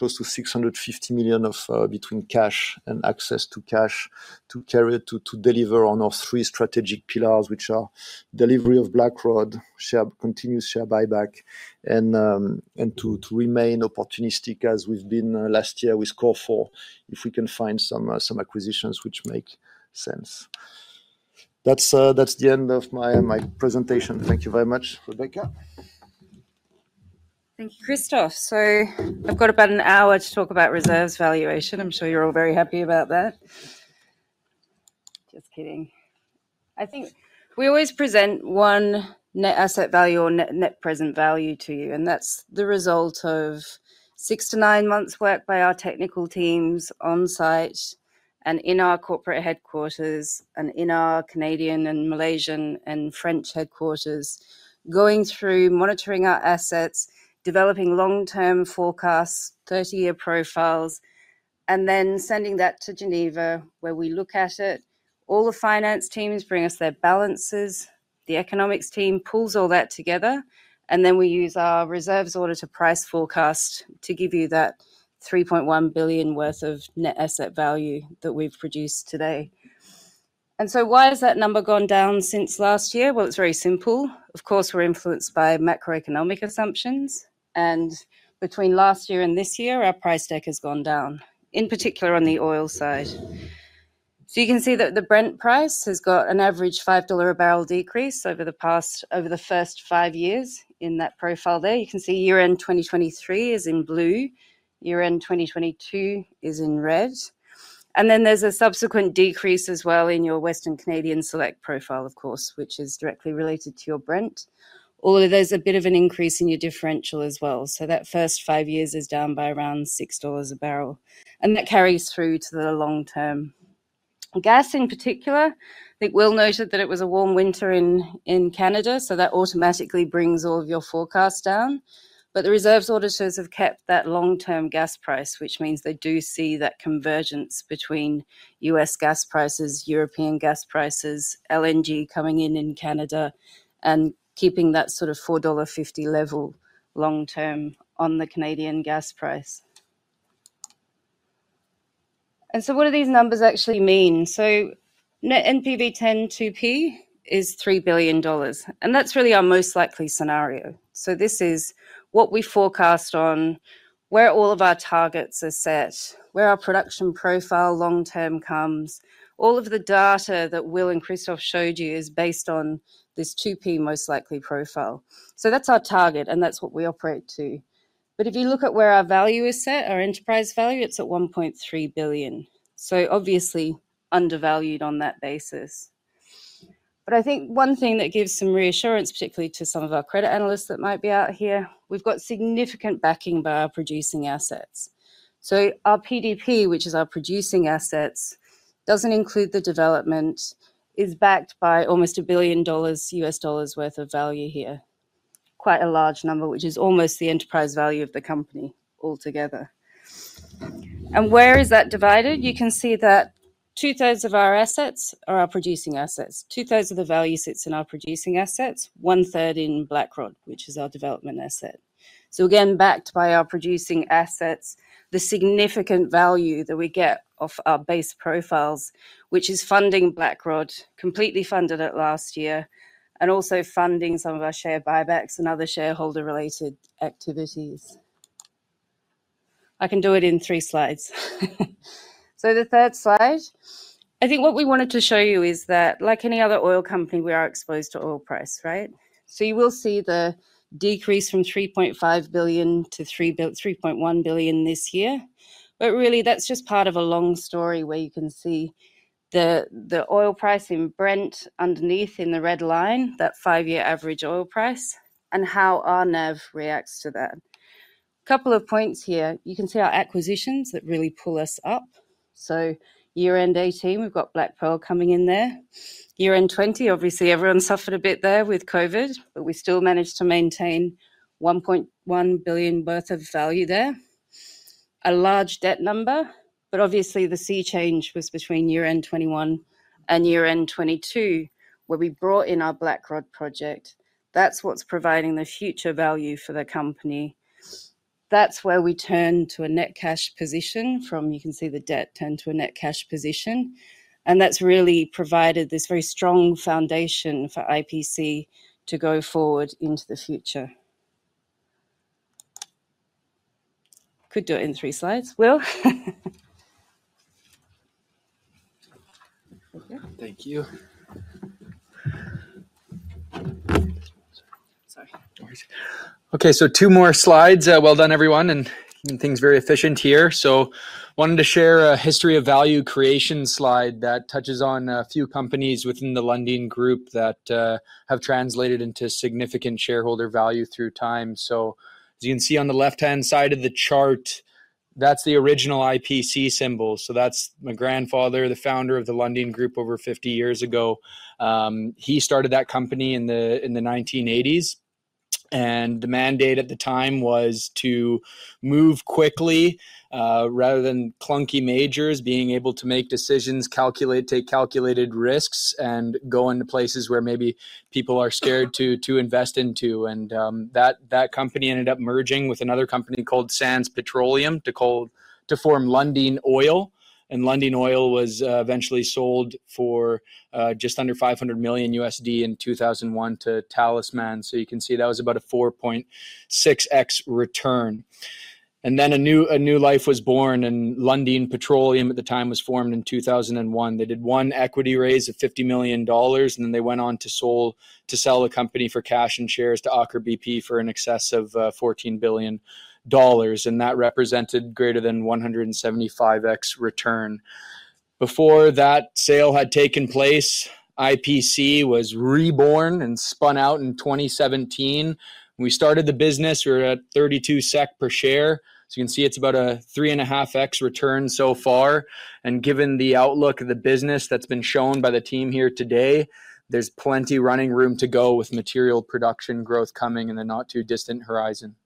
close to $650 million between cash and access to cash to carry to, to deliver on our three strategic pillars, which are delivery of Blackrod, share, continuous share buyback, and, and to, to remain opportunistic, as we've been, last year with Cor4, if we can find some, some acquisitions which make sense. That's, that's the end of my, my presentation. Thank you very much. Rebecca? Thank you, Christophe. So I've got about an hour to talk about reserves valuation. I'm sure you're all very happy about that. Just kidding. I think we always present one net asset value or net, net present value to you, and that's the result of 6-9 months' work by our technical teams on-site and in our corporate headquarters and in our Canadian and Malaysian and French headquarters, going through, monitoring our assets, developing long-term forecasts, 30-year profiles, and then sending that to Geneva, where we look at it. All the finance teams bring us their balances, the economics team pulls all that together, and then we use our reserves audit to price forecast to give you that $3.1 billion worth of net asset value that we've produced today. And so why has that number gone down since last year? Well, it's very simple. Of course, we're influenced by macroeconomic assumptions, and between last year and this year, our price deck has gone down, in particular on the oil side. So you can see that the Brent price has got an average $5 a barrel decrease over the first five years in that profile there. You can see year-end 2023 is in blue, year-end 2022 is in red, and then there's a subsequent decrease as well in your Western Canadian Select profile, of course, which is directly related to your Brent, although there's a bit of an increase in your differential as well. So that first five years is down by around $6 a barrel, and that carries through to the long term. Gas, in particular, I think Will noted that it was a warm winter in, in Canada, so that automatically brings all of your forecasts down. But the reserves auditors have kept that long-term gas price, which means they do see that convergence between U.S. gas prices, European gas prices, LNG coming in in Canada, and keeping that sort of $4.50 level long term on the Canadian gas price... And so what do these numbers actually mean? So net NPV 10, 2P is $3 billion, and that's really our most likely scenario. So this is what we forecast on, where all of our targets are set, where our production profile long term comes. All of the data that Will and Christophe showed you is based on this 2P most likely profile. So that's our target, and that's what we operate to. But if you look at where our value is set, our enterprise value, it's at $1.3 billion. So obviously, undervalued on that basis. But I think one thing that gives some reassurance, particularly to some of our credit analysts that might be out here, we've got significant backing by our producing assets. So our PDP, which is our producing assets, doesn't include the development, is backed by almost $1 billion, US dollars worth of value here. Quite a large number, which is almost the enterprise value of the company altogether. And where is that divided? You can see that two-thirds of our assets are our producing assets. Two-thirds of the value sits in our producing assets, one-third in Blackrod, which is our development asset. So again, backed by our producing assets, the significant value that we get off our base profiles, which is funding Blackrod, completely funded it last year, and also funding some of our share buybacks and other shareholder-related activities. I can do it in three slides. So the third slide, I think what we wanted to show you is that, like any other oil company, we are exposed to oil price, right? So you will see the decrease from $3.5 billion to $3.1 billion this year. But really, that's just part of a long story where you can see the oil price in Brent underneath in the red line, that 5-year average oil price, and how our NAV reacts to that. A couple of points here. You can see our acquisitions that really pull us up. So year-end 2018, we've got BlackPearl coming in there. Year-end 2020, obviously, everyone suffered a bit there with COVID, but we still managed to maintain $1.1 billion worth of value there. A large debt number, but obviously, the sea change was between year-end 2021 and year-end 2022, where we brought in our Blackrod project. That's what's providing the future value for the company. That's where we turn to a net cash position from... You can see the debt turn to a net cash position, and that's really provided this very strong foundation for IPC to go forward into the future. Could do it in three slides, Will? Thank you. Sorry. No worries. Okay, so two more slides. Well done, everyone, and keeping things very efficient here. So wanted to share a history of value creation slide that touches on a few companies within the Lundin Group that have translated into significant shareholder value through time. So as you can see on the left-hand side of the chart, that's the original IPC symbol. So that's my grandfather, the founder of the Lundin Group over 50 years ago. He started that company in the 1980s, and the mandate at the time was to move quickly, rather than clunky majors, being able to make decisions, calculate, take calculated risks, and go into places where maybe people are scared to invest into. That company ended up merging with another company called Sands Petroleum to form Lundin Oil, and Lundin Oil was eventually sold for just under $500 million in 2001 to Talisman. So you can see that was about a 4.6x return. And then a new life was born, and Lundin Petroleum at the time was formed in 2001. They did one equity raise of $50 million, and then they went on to sell the company for cash and shares to Aker BP for an excess of $14 billion, and that represented greater than 175x return. Before that sale had taken place, IPC was reborn and spun out in 2017. We started the business, we were at 32 SEK per share. So you can see it's about a 3.5x return so far, and given the outlook of the business that's been shown by the team here today, there's plenty running room to go with material production growth coming in the not-too-distant horizon.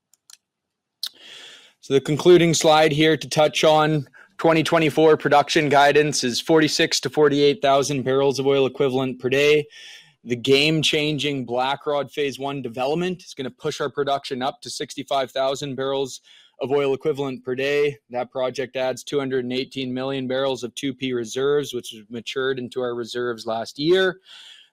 So the concluding slide here to touch on, 2024 production guidance is 46,000-48,000 barrels of oil equivalent per day. The game-changing Blackrod Phase 1 development is gonna push our production up to 65,000 barrels of oil equivalent per day. That project adds 218 million barrels of 2P reserves, which has matured into our reserves last year.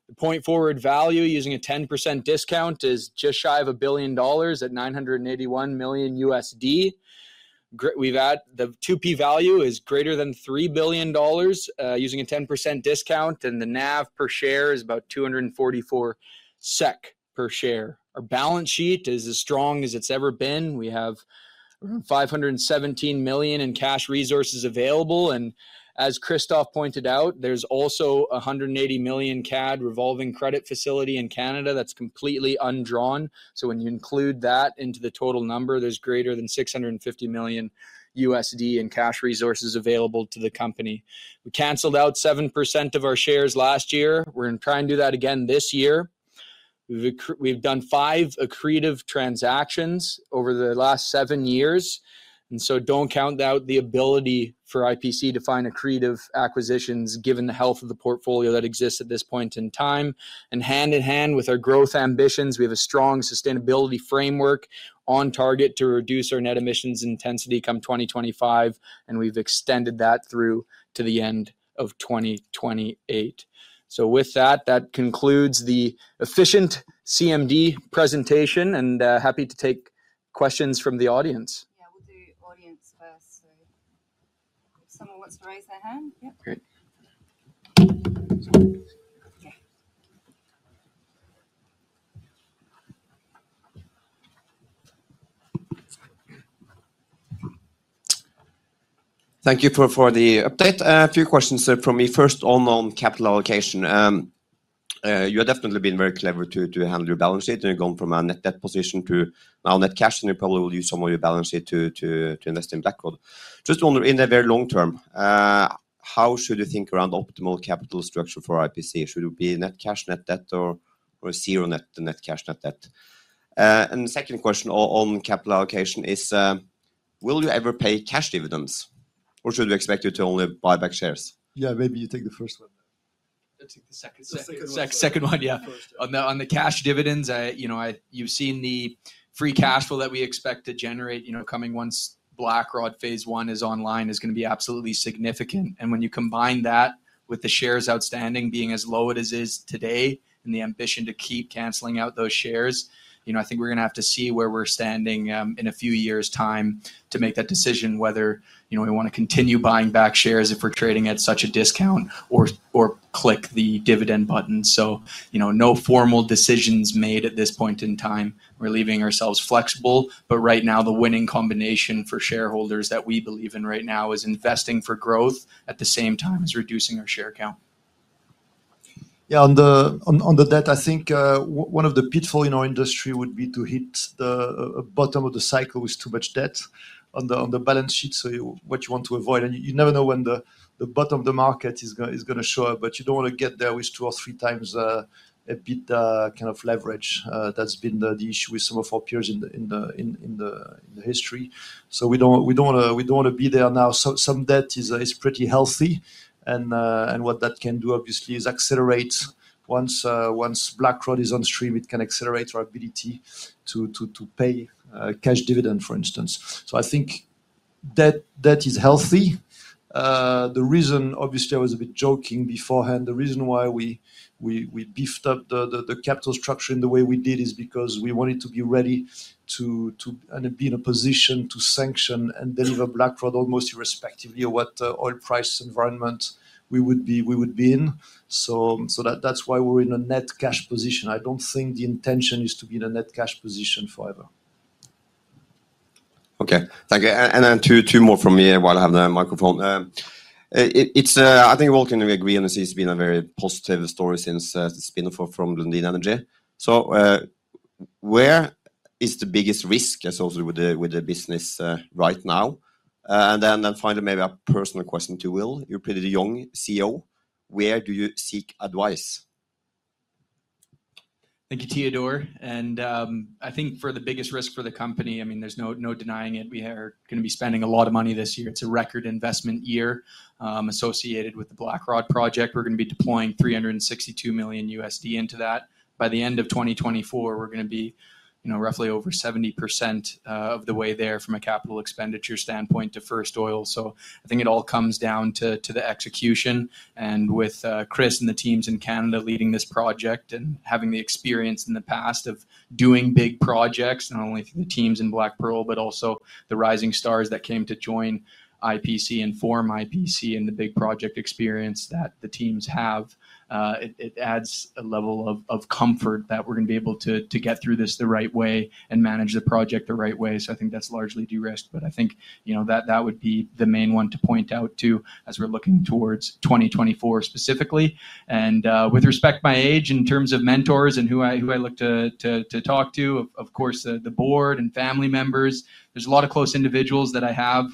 The point forward value, using a 10% discount, is just shy of $1 billion at $981 million. We've had the 2P value is greater than $3 billion, using a 10% discount, and the NAV per share is about 244 SEK per share. Our balance sheet is as strong as it's ever been. We have $517 million in cash resources available, and as Christophe pointed out, there's also 180 million CAD revolving credit facility in Canada that's completely undrawn. So when you include that into the total number, there's greater than $650 million in cash resources available to the company. We canceled out 7% of our shares last year. We're gonna try and do that again this year. We've done 5 accretive transactions over the last 7 years, and so don't count out the ability for IPC to find accretive acquisitions, given the health of the portfolio that exists at this point in time. And hand in hand with our growth ambitions, we have a strong sustainability framework on target to reduce our net emissions intensity come 2025, and we've extended that through to the end of 2028. So with that, that concludes the efficient CMD presentation, and happy to take questions from the audience. Yeah, we'll do audience first. So if someone wants to raise their hand? Yep. Great. Yeah. Thank you for the update. A few questions from me. First, on capital allocation. You have definitely been very clever to handle your balance sheet, and you've gone from a net debt position to now net cash, and you probably will use some of your balance sheet to invest in Blackrod. Just wonder, in the very long term, how should you think around the optimal capital structure for IPC? Should it be net cash, net debt, or zero net to net cash, net debt? And the second question on capital allocation is, will you ever pay cash dividends, or should we expect you to only buy back shares? Yeah, maybe you take the first one. I'll take the second. The second one. Second one, yeah. First. On the cash dividends, you know, you've seen the free cash flow that we expect to generate, you know, coming once Blackrod Phase 1 is online, is gonna be absolutely significant. And when you combine that with the shares outstanding being as low as it is today, and the ambition to keep canceling out those shares, you know, I think we're gonna have to see where we're standing in a few years' time to make that decision, whether, you know, we want to continue buying back shares if we're trading at such a discount, or, or click the dividend button. So, you know, no formal decisions made at this point in time. We're leaving ourselves flexible, but right now, the winning combination for shareholders that we believe in right now is investing for growth at the same time as reducing our share count. Yeah, on the, on, on the debt, I think, one of the pitfalls in our industry would be to hit the bottom of the cycle with too much debt on the balance sheet, so you... What you want to avoid, and you never know when the bottom of the market is gonna show up, but you don't want to get there with two or three times EBITDA kind of leverage. That's been the issue with some of our peers in the history. So we don't, we don't wanna, we don't wanna be there now. Some debt is pretty healthy, and what that can do, obviously, is accelerate once Blackrod is on stream, it can accelerate our ability to pay cash dividend, for instance. So I think debt, debt is healthy. The reason, obviously, I was a bit joking beforehand, the reason why we beefed up the capital structure in the way we did is because we wanted to be ready to be in a position to sanction and deliver Blackrod almost irrespectively of what oil price environment we would be in. So that that's why we're in a net cash position. I don't think the intention is to be in a net cash position forever. Okay, thank you. And two more from me while I have the microphone. I think we all can agree, and this has been a very positive story since the spin-off from Lundin Energy. So, where is the biggest risk associated with the business right now? And then finally, maybe a personal question to you, Will. You're a pretty young CEO. Where do you seek advice? Thank you, Teodor. I think for the biggest risk for the company, I mean, there's no denying it, we are gonna be spending a lot of money this year. It's a record investment year associated with the Blackrod project. We're gonna be deploying $362 million into that. By the end of 2024, we're gonna be, you know, roughly over 70% of the way there from a capital expenditure standpoint to first oil. So I think it all comes down to the execution. With Chris and the teams in Canada leading this project and having the experience in the past of doing big projects, not only from the teams in BlackPearl, but also the rising stars that came to join IPC and form IPC, and the big project experience that the teams have, it adds a level of comfort that we're gonna be able to get through this the right way and manage the project the right way. So I think that's largely de-risked, but I think, you know, that would be the main one to point out to as we're looking towards 2024 specifically. With respect to my age, in terms of mentors and who I look to talk to, of course, the board and family members. There's a lot of close individuals that I have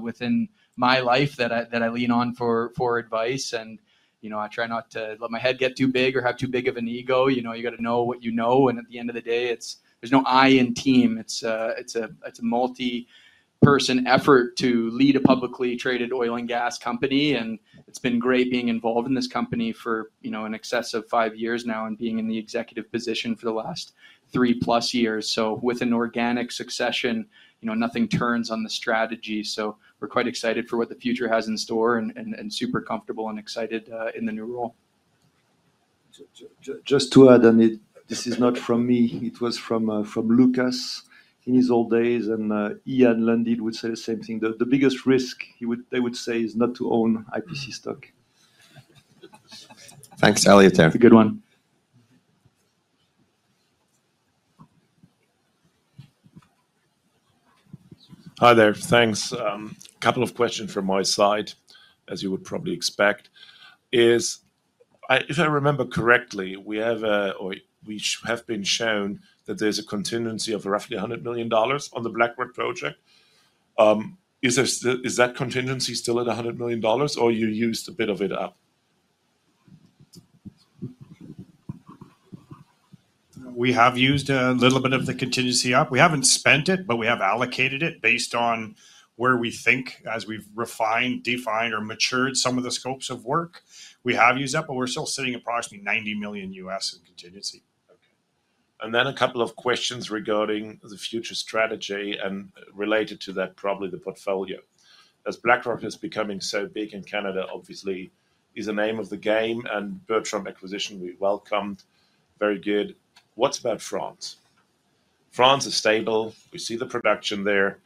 within my life that I lean on for advice, and, you know, I try not to let my head get too big or have too big of an ego. You know, you gotta know what you know, and at the end of the day, it's, there's no I in team. It's a multi-person effort to lead a publicly traded oil and gas company, and it's been great being involved in this company for, you know, in excess of five years now, and being in the executive position for the last three-plus years. So with an organic succession, you know, nothing turns on the strategy, so we're quite excited for what the future has in store and super comfortable and excited in the new role. Just to add on it, this is not from me, it was from, from Lukas in his old days, and, he and Lundin would say the same thing. The biggest risk, he would, they would say, is not to own IPC stock. Thanks, Elliott. That's a good one. Hi there. Thanks. A couple of questions from my side, as you would probably expect, is if I remember correctly, we have or we have been shown that there's a contingency of roughly $100 million on the Blackrod project? Is that contingency still at $100 million or you used a bit of it up? We have used a little bit of the contingency up. We haven't spent it, but we have allocated it based on where we think as we've refined, defined, or matured some of the scopes of work. We have used up, but we're still sitting approximately $90 million in contingency. Okay. And then a couple of questions regarding the future strategy, and related to that, probably the portfolio. As Blackrod is becoming so big in Canada, obviously, is the name of the game, and Bertam acquisition, we welcomed. Very good. What about France? France is stable. We see the production there.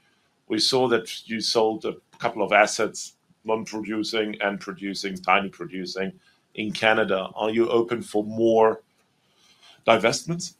We saw that you sold a couple of assets, non-producing and producing, tiny producing in Canada. Are you open for more divestments?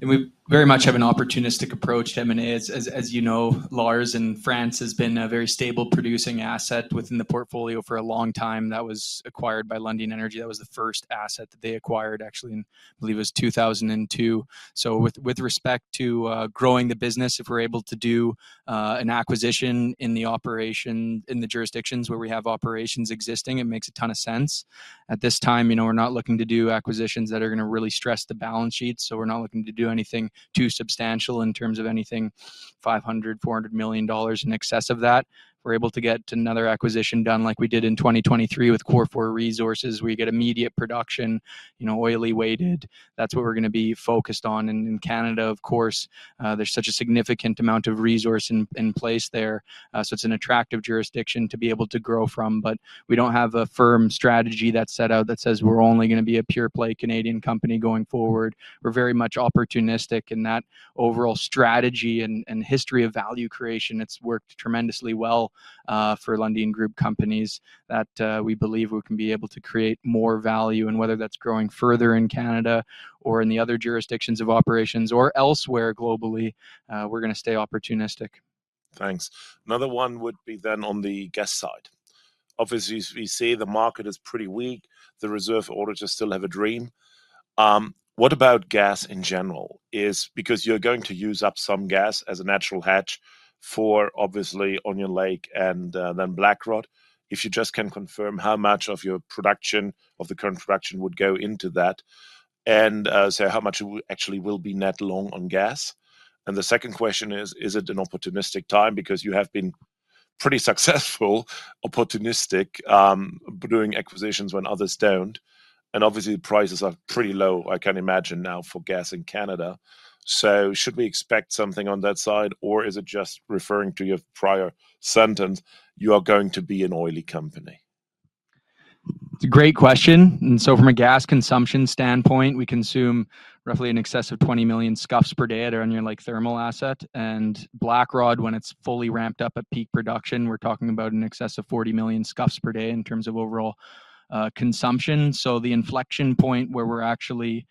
We very much have an opportunistic approach to M&A. As you know, Lars, France has been a very stable producing asset within the portfolio for a long time. That was acquired by Lundin Energy. That was the first asset that they acquired, actually, in, I believe it was 2002. So with respect to growing the business, if we're able to do an acquisition in the operation in the jurisdictions where we have operations existing, it makes a ton of sense. At this time, you know, we're not looking to do acquisitions that are gonna really stress the balance sheet, so we're not looking to do anything too substantial in terms of anything $500 million, $400 million in excess of that. If we're able to get another acquisition done like we did in 2023 with Cor4 Oil Corp., we get immediate production, you know, oily weighted. That's what we're gonna be focused on. In Canada, of course, there's such a significant amount of resource in place there, so it's an attractive jurisdiction to be able to grow from, but we don't have a firm strategy that's set out that says we're only gonna be a pure play Canadian company going forward. We're very much opportunistic in that overall strategy and history of value creation. It's worked tremendously well for Lundin Group companies that we believe we can be able to create more value, and whether that's growing further in Canada or in the other jurisdictions of operations or elsewhere globally, we're gonna stay opportunistic. Thanks. Another one would be then on the gas side. Obviously, we see the market is pretty weak. The reserve auditors still have a dream. What about gas in general? Is because you're going to use up some gas as a natural hedge for obviously Onion Lake and then Blackrod. If you just can confirm how much of your production, of the current production would go into that, and so how much actually will be net long on gas? And the second question is, is it an opportunistic time? Because you have been pretty successful, opportunistic, doing acquisitions when others don't, and obviously, the prices are pretty low, I can imagine now for gas in Canada. So should we expect something on that side, or is it just referring to your prior sentence, you are going to be an oil company? It's a great question, and so from a gas consumption standpoint, we consume roughly in excess of 20 million scfs per day at our Onion Lake thermal asset, and Blackrod, when it's fully ramped up at peak production, we're talking about in excess of 40 million scfs per day in terms of overall, consumption. So the inflection point where we're actually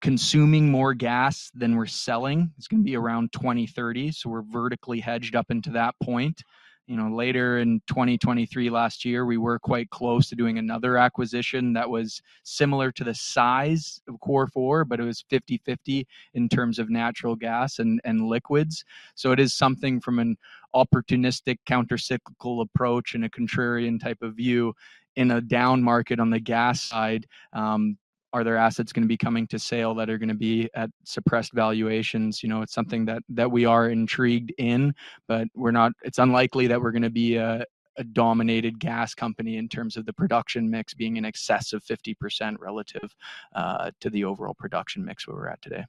consuming more gas than we're selling, it's gonna be around 2030. So we're vertically hedged up into that point. You know, later in 2023, last year, we were quite close to doing another acquisition that was similar to the size of Cor4, but it was 50/50 in terms of natural gas and, and liquids. So it is something from an opportunistic, countercyclical approach and a contrarian type of view. In a down market on the gas side, are there assets gonna be coming to sale that are gonna be at suppressed valuations? You know, it's something that we are intrigued in, but we're not. It's unlikely that we're gonna be a dominated gas company in terms of the production mix being in excess of 50% relative to the overall production mix where we're at today.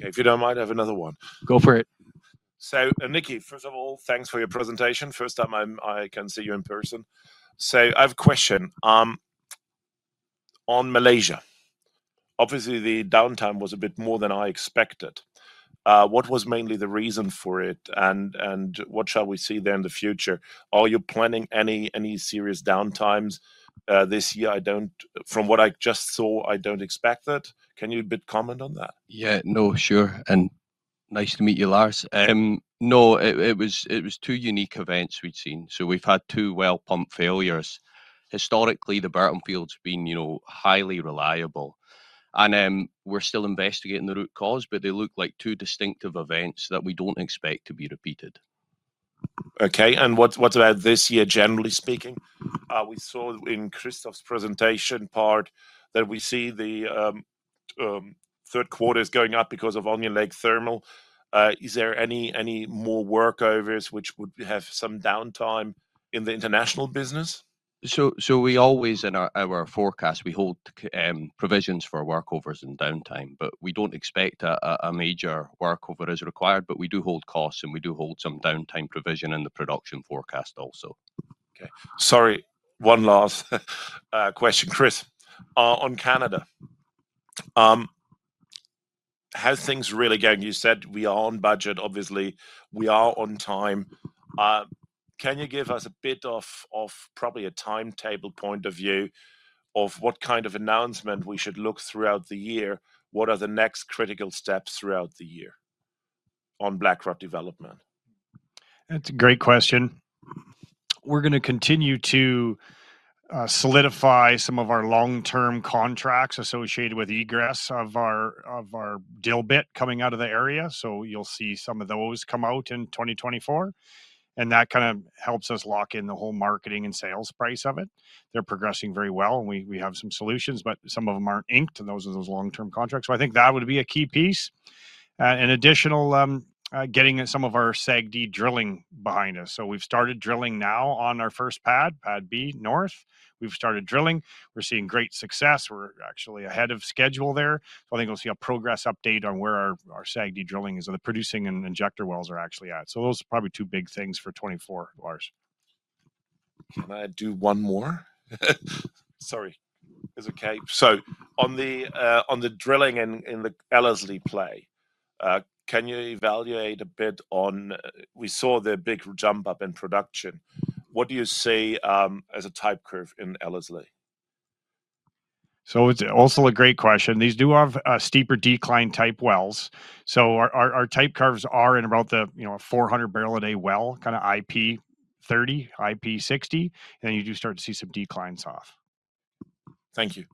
Okay. If you don't mind, I have another one. Go for it. So, Mike, first of all, thanks for your presentation. First time I can see you in person. So I have a question on Malaysia. Obviously, the downtime was a bit more than I expected. What was mainly the reason for it, and what shall we see there in the future? Are you planning any serious downtimes this year? I don't... From what I just saw, I don't expect it. Can you a bit comment on that? Yeah. No, sure, and nice to meet you, Lars. No, it was two unique events we'd seen. So we've had two well pump failures. Historically, the Bertam field's been, you know, highly reliable, and we're still investigating the root cause, but they look like two distinctive events that we don't expect to be repeated. Okay, and what about this year, generally speaking? We saw in Christoph's presentation part that we see the third quarter is going up because of Onion Lake Thermal. Is there any more workovers which would have some downtime in the international business? So we always in our forecast, we hold provisions for workovers and downtime, but we don't expect a major workover is required, but we do hold costs, and we do hold some downtime provision in the production forecast also. Okay. Sorry, one last question, Chris, on Canada. How are things really going? You said we are on budget, obviously, we are on time. Can you give us a bit of, of probably a timetable point of view of what kind of announcement we should look throughout the year? What are the next critical steps throughout the year on Blackrod development? That's a great question. We're gonna continue to solidify some of our long-term contracts associated with egress of our dilbit coming out of the area. So you'll see some of those come out in 2024, and that kind of helps us lock in the whole marketing and sales price of it. They're progressing very well, and we have some solutions, but some of them aren't inked, and those are those long-term contracts. So I think that would be a key piece. An additional getting in some of our SAGD drilling behind us. So we've started drilling now on our first pad, Pad B North. We've started drilling. We're seeing great success. We're actually ahead of schedule there. So I think we'll see a progress update on where our SAGD drilling is, and the producing and injector wells are actually at. Those are probably two big things for 2024, Lars. Can I do one more? Sorry. Is it okay? So on the drilling in the Ellerslie play, can you evaluate a bit on... We saw the big jump up in production. What do you see as a type curve in Ellerslie? So it's also a great question. These do have steeper decline type wells, so our type curves are in about the, you know, 400 barrel a day well, kind of IP 30, IP 60, and then you do start to see some declines off. Thank you.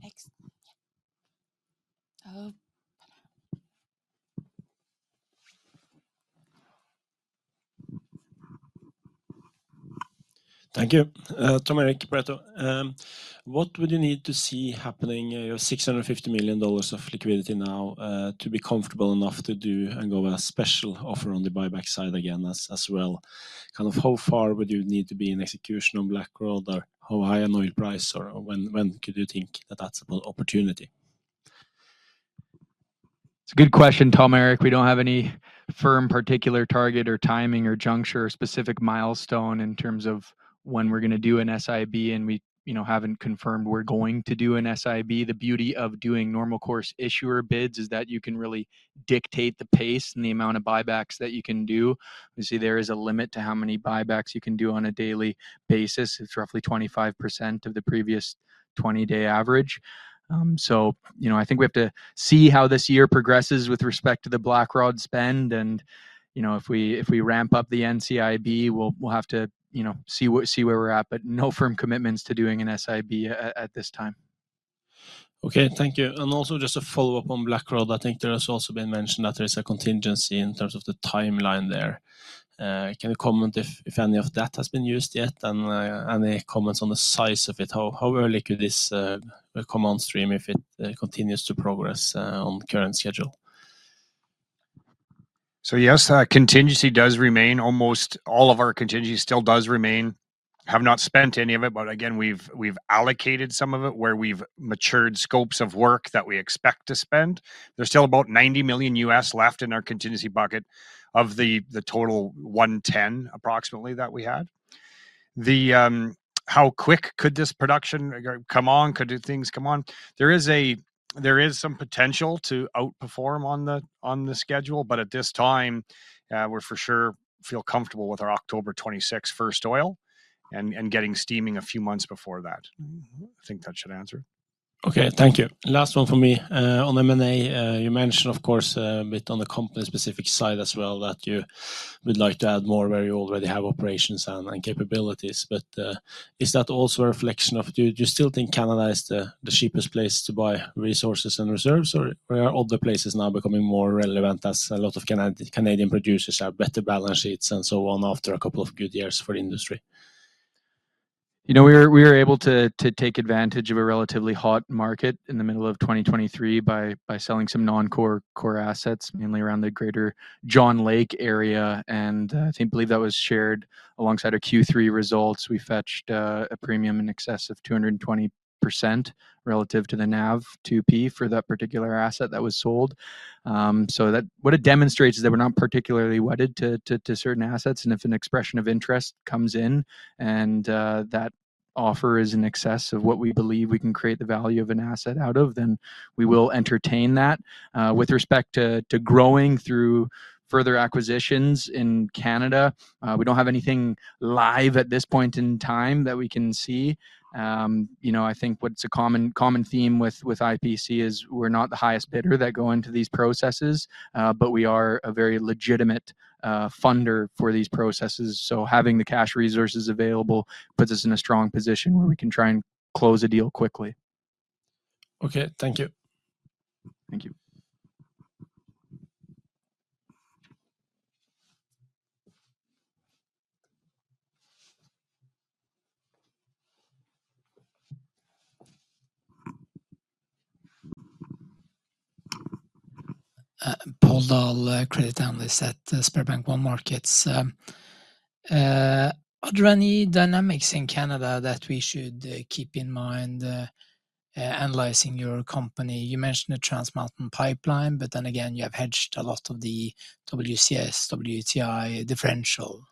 Thanks. Hello. Thank you. Tom Erik Kristiansen. What would you need to see happening, your $650 million of liquidity now, to be comfortable enough to do and go with a special offer on the buyback side again as, as well? Kind of how far would you need to be in execution on Blackrod, or how high an oil price, or when, when could you think that that's an opportunity? It's a good question, Tom Erik. We don't have any firm particular target or timing or juncture or specific milestone in terms of when we're gonna do an SIB, and we, you know, haven't confirmed we're going to do an SIB. The beauty of doing Normal Course Issuer Bids is that you can really dictate the pace and the amount of buybacks that you can do. You see, there is a limit to how many buybacks you can do on a daily basis. It's roughly 25% of the previous 20-day average. So, you know, I think we have to see how this year progresses with respect to the Blackrod spend and, you know, if we, if we ramp up the NCIB, we'll, we'll have to, you know, see where, see where we're at, but no firm commitments to doing an SIB at this time. Okay, thank you. And also just a follow-up on Blackrod. I think there has also been mention that there is a contingency in terms of the timeline there. Can you comment if, if any of that has been used yet? And any comments on the size of it, how early could this come on stream if it continues to progress on current schedule? So, yes, contingency does remain. Almost all of our contingency still does remain. Have not spent any of it, but again, we've allocated some of it where we've matured scopes of work that we expect to spend. There's still about $90 million left in our contingency bucket of the total $110 million, approximately, that we had. How quick could this production come on? Could things come on? There is some potential to outperform on the schedule, but at this time, we're for sure feel comfortable with our October 2026 first oil and getting steaming a few months before that. I think that should answer it. Okay, thank you. Last one for me. On M&A, you mentioned, of course, a bit on the company-specific side as well, that you would like to add more where you already have operations and capabilities, but is that also a reflection of... Do you still think Canada is the cheapest place to buy resources and reserves, or are other places now becoming more relevant as a lot of Canadian producers have better balance sheets and so on after a couple of good years for the industry? You know, we were able to take advantage of a relatively hot market in the middle of 2023 by selling some non-core core assets, mainly around the greater John Lake area, and I think believe that was shared alongside our Q3 results. We fetched a premium in excess of 220% relative to the NAV 2P for that particular asset that was sold. So that, what it demonstrates is that we're not particularly wedded to certain assets, and if an expression of interest comes in and that offer is in excess of what we believe we can create the value of an asset out of, then we will entertain that. With respect to growing through further acquisitions in Canada, we don't have anything live at this point in time that we can see. You know, I think what's a common, common theme with IPC is we're not the highest bidder that go into these processes, but we are a very legitimate funder for these processes. So having the cash resources available puts us in a strong position where we can try and close a deal quickly. Okay, thank you. Thank you. Pål Dahl, credit analyst at SpareBank 1 Markets. Are there any dynamics in Canada that we should keep in mind analyzing your company? You mentioned the Trans Mountain Pipeline, but then again, you have hedged a lot of the WCS, WTI differential....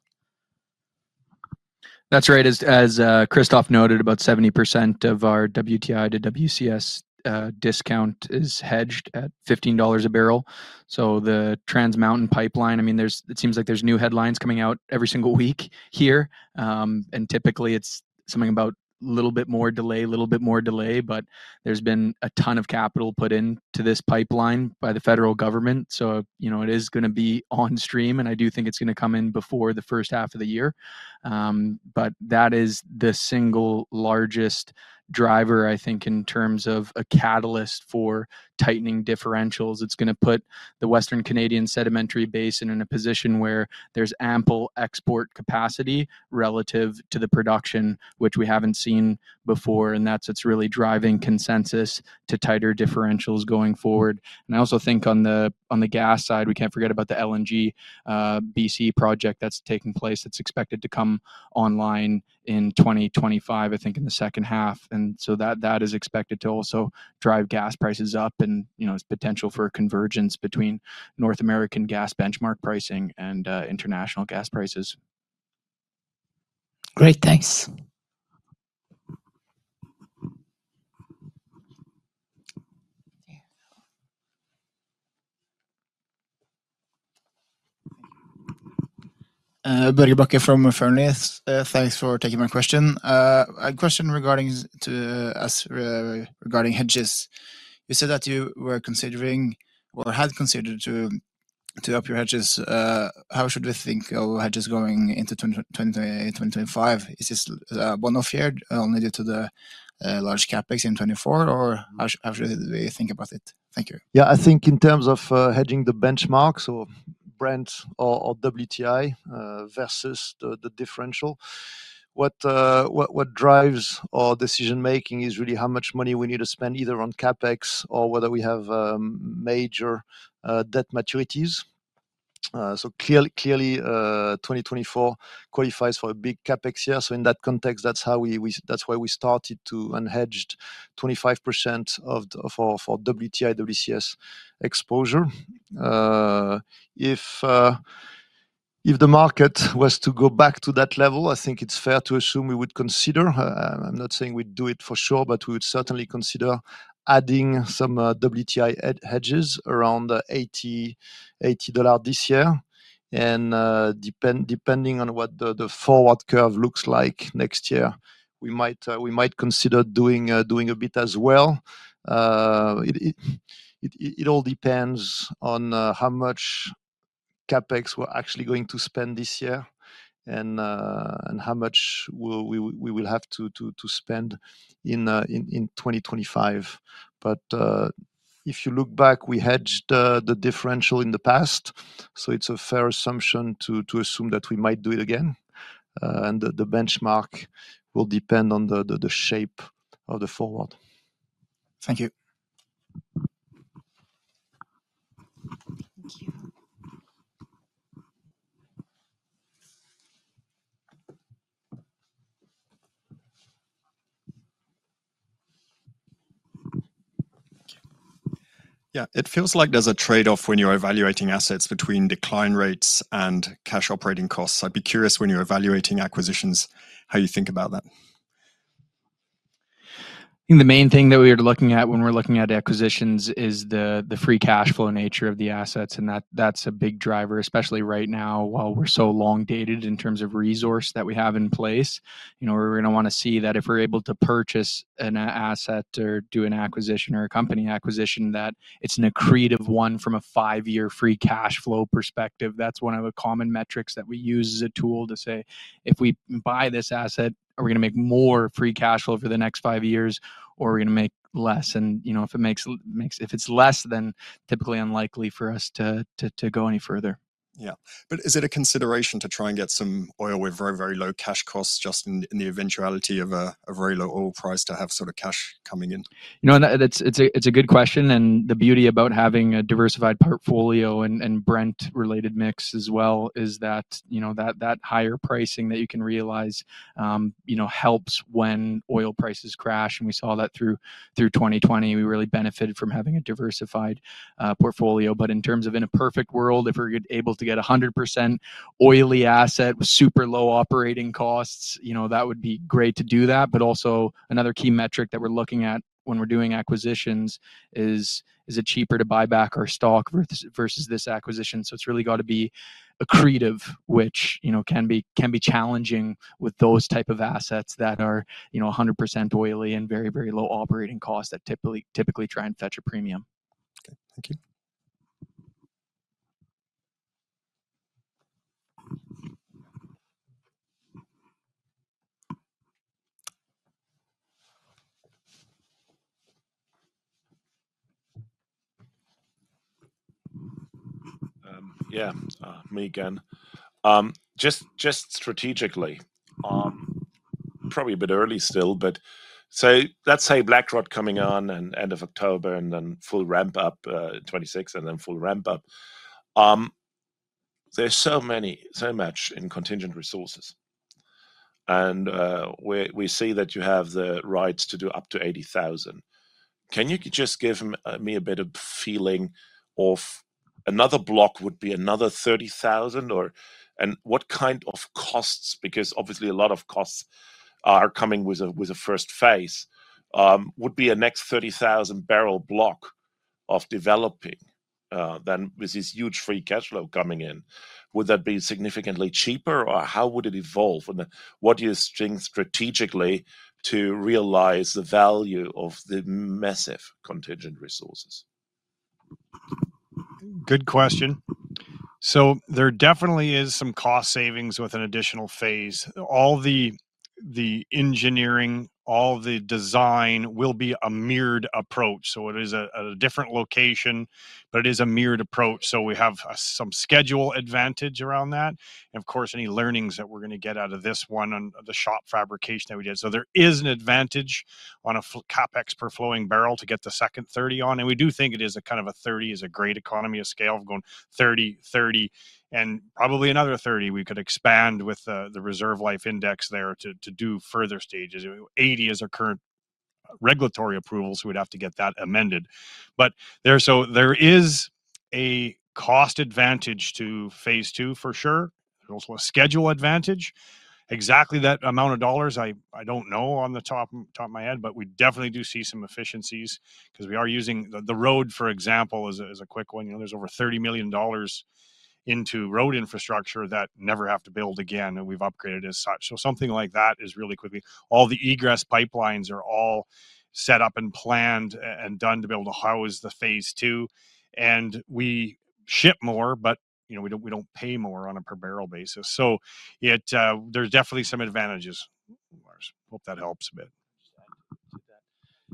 That's right. As Christophe noted, about 70% of our WTI to WCS discount is hedged at $15 a barrel. So the Trans Mountain Pipeline, I mean, there's, it seems like there's new headlines coming out every single week here. And typically, it's something about a little bit more delay, a little bit more delay, but there's been a ton of capital put into this pipeline by the federal government. So, you know, it is gonna be on stream, and I do think it's gonna come in before the first half of the year. But that is the single largest driver, I think, in terms of a catalyst for tightening differentials. It's gonna put the Western Canadian Sedimentary Basin in a position where there's ample export capacity relative to the production, which we haven't seen before, and that's what's really driving consensus to tighter differentials going forward. And I also think on the gas side, we can't forget about the LNG BC project that's taking place. It's expected to come online in 2025, I think, in the second half, and so that is expected to also drive gas prices up and, you know, its potential for a convergence between North American gas benchmark pricing and international gas prices. Great. Thanks. Børge Bakke from Fearnley. Thanks for taking my question. A question regarding hedges. You said that you were considering or had considered to up your hedges. How should we think your hedges going into 2028, 2025? Is this one of your only to the large CapEx in 2024, or how should we think about it? Thank you. Yeah, I think in terms of hedging the benchmarks or Brent or WTI versus the differential, what drives our decision-making is really how much money we need to spend, either on CapEx or whether we have major debt maturities. So clearly 2024 qualifies for a big CapEx year. So in that context, that's how we – that's why we started to unhedged 25% of WTI WCS exposure. If the market was to go back to that level, I think it's fair to assume we would consider... I'm not saying we'd do it for sure, but we would certainly consider adding some WTI hedges around $80 this year. And, depending on what the forward curve looks like next year, we might consider doing a bit as well. It all depends on how much CapEx we're actually going to spend this year and how much we will have to spend in 2025. But, if you look back, we hedged the differential in the past, so it's a fair assumption to assume that we might do it again. And the benchmark will depend on the shape of the forward. Thank you. Thank you. Yeah. It feels like there's a trade-off when you're evaluating assets between decline rates and cash operating costs. I'd be curious, when you're evaluating acquisitions, how you think about that? I think the main thing that we are looking at when we're looking at acquisitions is the free cash flow nature of the assets, and that's a big driver, especially right now, while we're so long-dated in terms of resource that we have in place. You know, we're gonna wanna see that if we're able to purchase an asset or do an acquisition or a company acquisition, that it's an accretive one from a five-year free cash flow perspective. That's one of the common metrics that we use as a tool to say, "If we buy this asset, are we gonna make more free cash flow for the next five years, or are we gonna make less?" And, you know, if it makes less, then typically unlikely for us to go any further. Yeah. But is it a consideration to try and get some oil with very, very low cash costs just in the eventuality of a very low oil price to have sort of cash coming in? You know, and that's... It's a good question, and the beauty about having a diversified portfolio and Brent-related mix as well is that, you know, that higher pricing that you can realize helps when oil prices crash, and we saw that through 2020. We really benefited from having a diversified portfolio. But in terms of in a perfect world, if we're able to get a 100% oily asset with super low operating costs, you know, that would be great to do that. But also, another key metric that we're looking at when we're doing acquisitions is: Is it cheaper to buy back our stock versus this acquisition? So it's really got to be accretive, which, you know, can be challenging with those type of assets that are, you know, 100% oily and very, very low operating costs that typically try and fetch a premium. Okay. Thank you. Yeah, me again. Just strategically, probably a bit early still, but so let's say Blackrod coming on in end of October and then full ramp up, 2026, and then full ramp up. There's so many, so much in contingent resources, and we see that you have the rights to do up to 80,000. Can you just give me a bit of feeling of another block would be another 30,000, or - and what kind of costs, because obviously a lot of costs are coming with the first phase, would be a next 30,000 barrel block of developing than with this huge free cash flow coming in? Would that be significantly cheaper, or how would it evolve? And what is strategically to realize the value of the massive contingent resources? Good question. So there definitely is some cost savings with an additional phase. All the, the engineering, all the design will be a mirrored approach. So it is a, a different location, but it is a mirrored approach, so we have some schedule advantage around that. And of course, any learnings that we're gonna get out of this one on the shop fabrication that we did. So there is an advantage on a CapEx per flowing barrel to get the second 30 on, and we do think it is a kind of a 30 is a great economy, a scale of going 30, 30, and probably another 30. We could expand with the, the reserve life index there to, to do further stages. 80 is our current regulatory approval, so we'd have to get that amended. But there, so there is a cost advantage to Phase 2, for sure, and also a schedule advantage. Exactly that amount of dollars, I, I don't know off the top, top of my head, but we definitely do see some efficiencies because we are using. The road, for example, is a quick one. You know, there's over $30 million into road infrastructure that never have to build again, and we've upgraded as such. So something like that is really quickly. All the egress pipelines are all set up and planned and done to be able to house the Phase 2. And we ship more, but, you know, we don't, we don't pay more on a per barrel basis. So yet, there's definitely some advantages. Hope that helps a bit.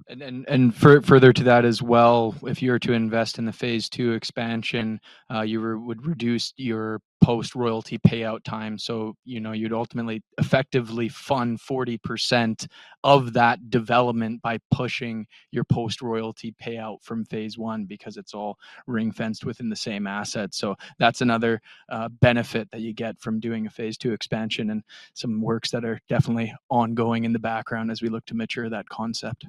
Further to that as well, if you were to invest in the Phase 2 expansion, you would reduce your post-royalty payout time. So, you know, you'd ultimately effectively fund 40% of that development by pushing your post-royalty payout from phase 1 because it's all ring-fenced within the same asset. So that's another benefit that you get from doing a Phase 2 expansion and some works that are definitely ongoing in the background as we look to mature that concept.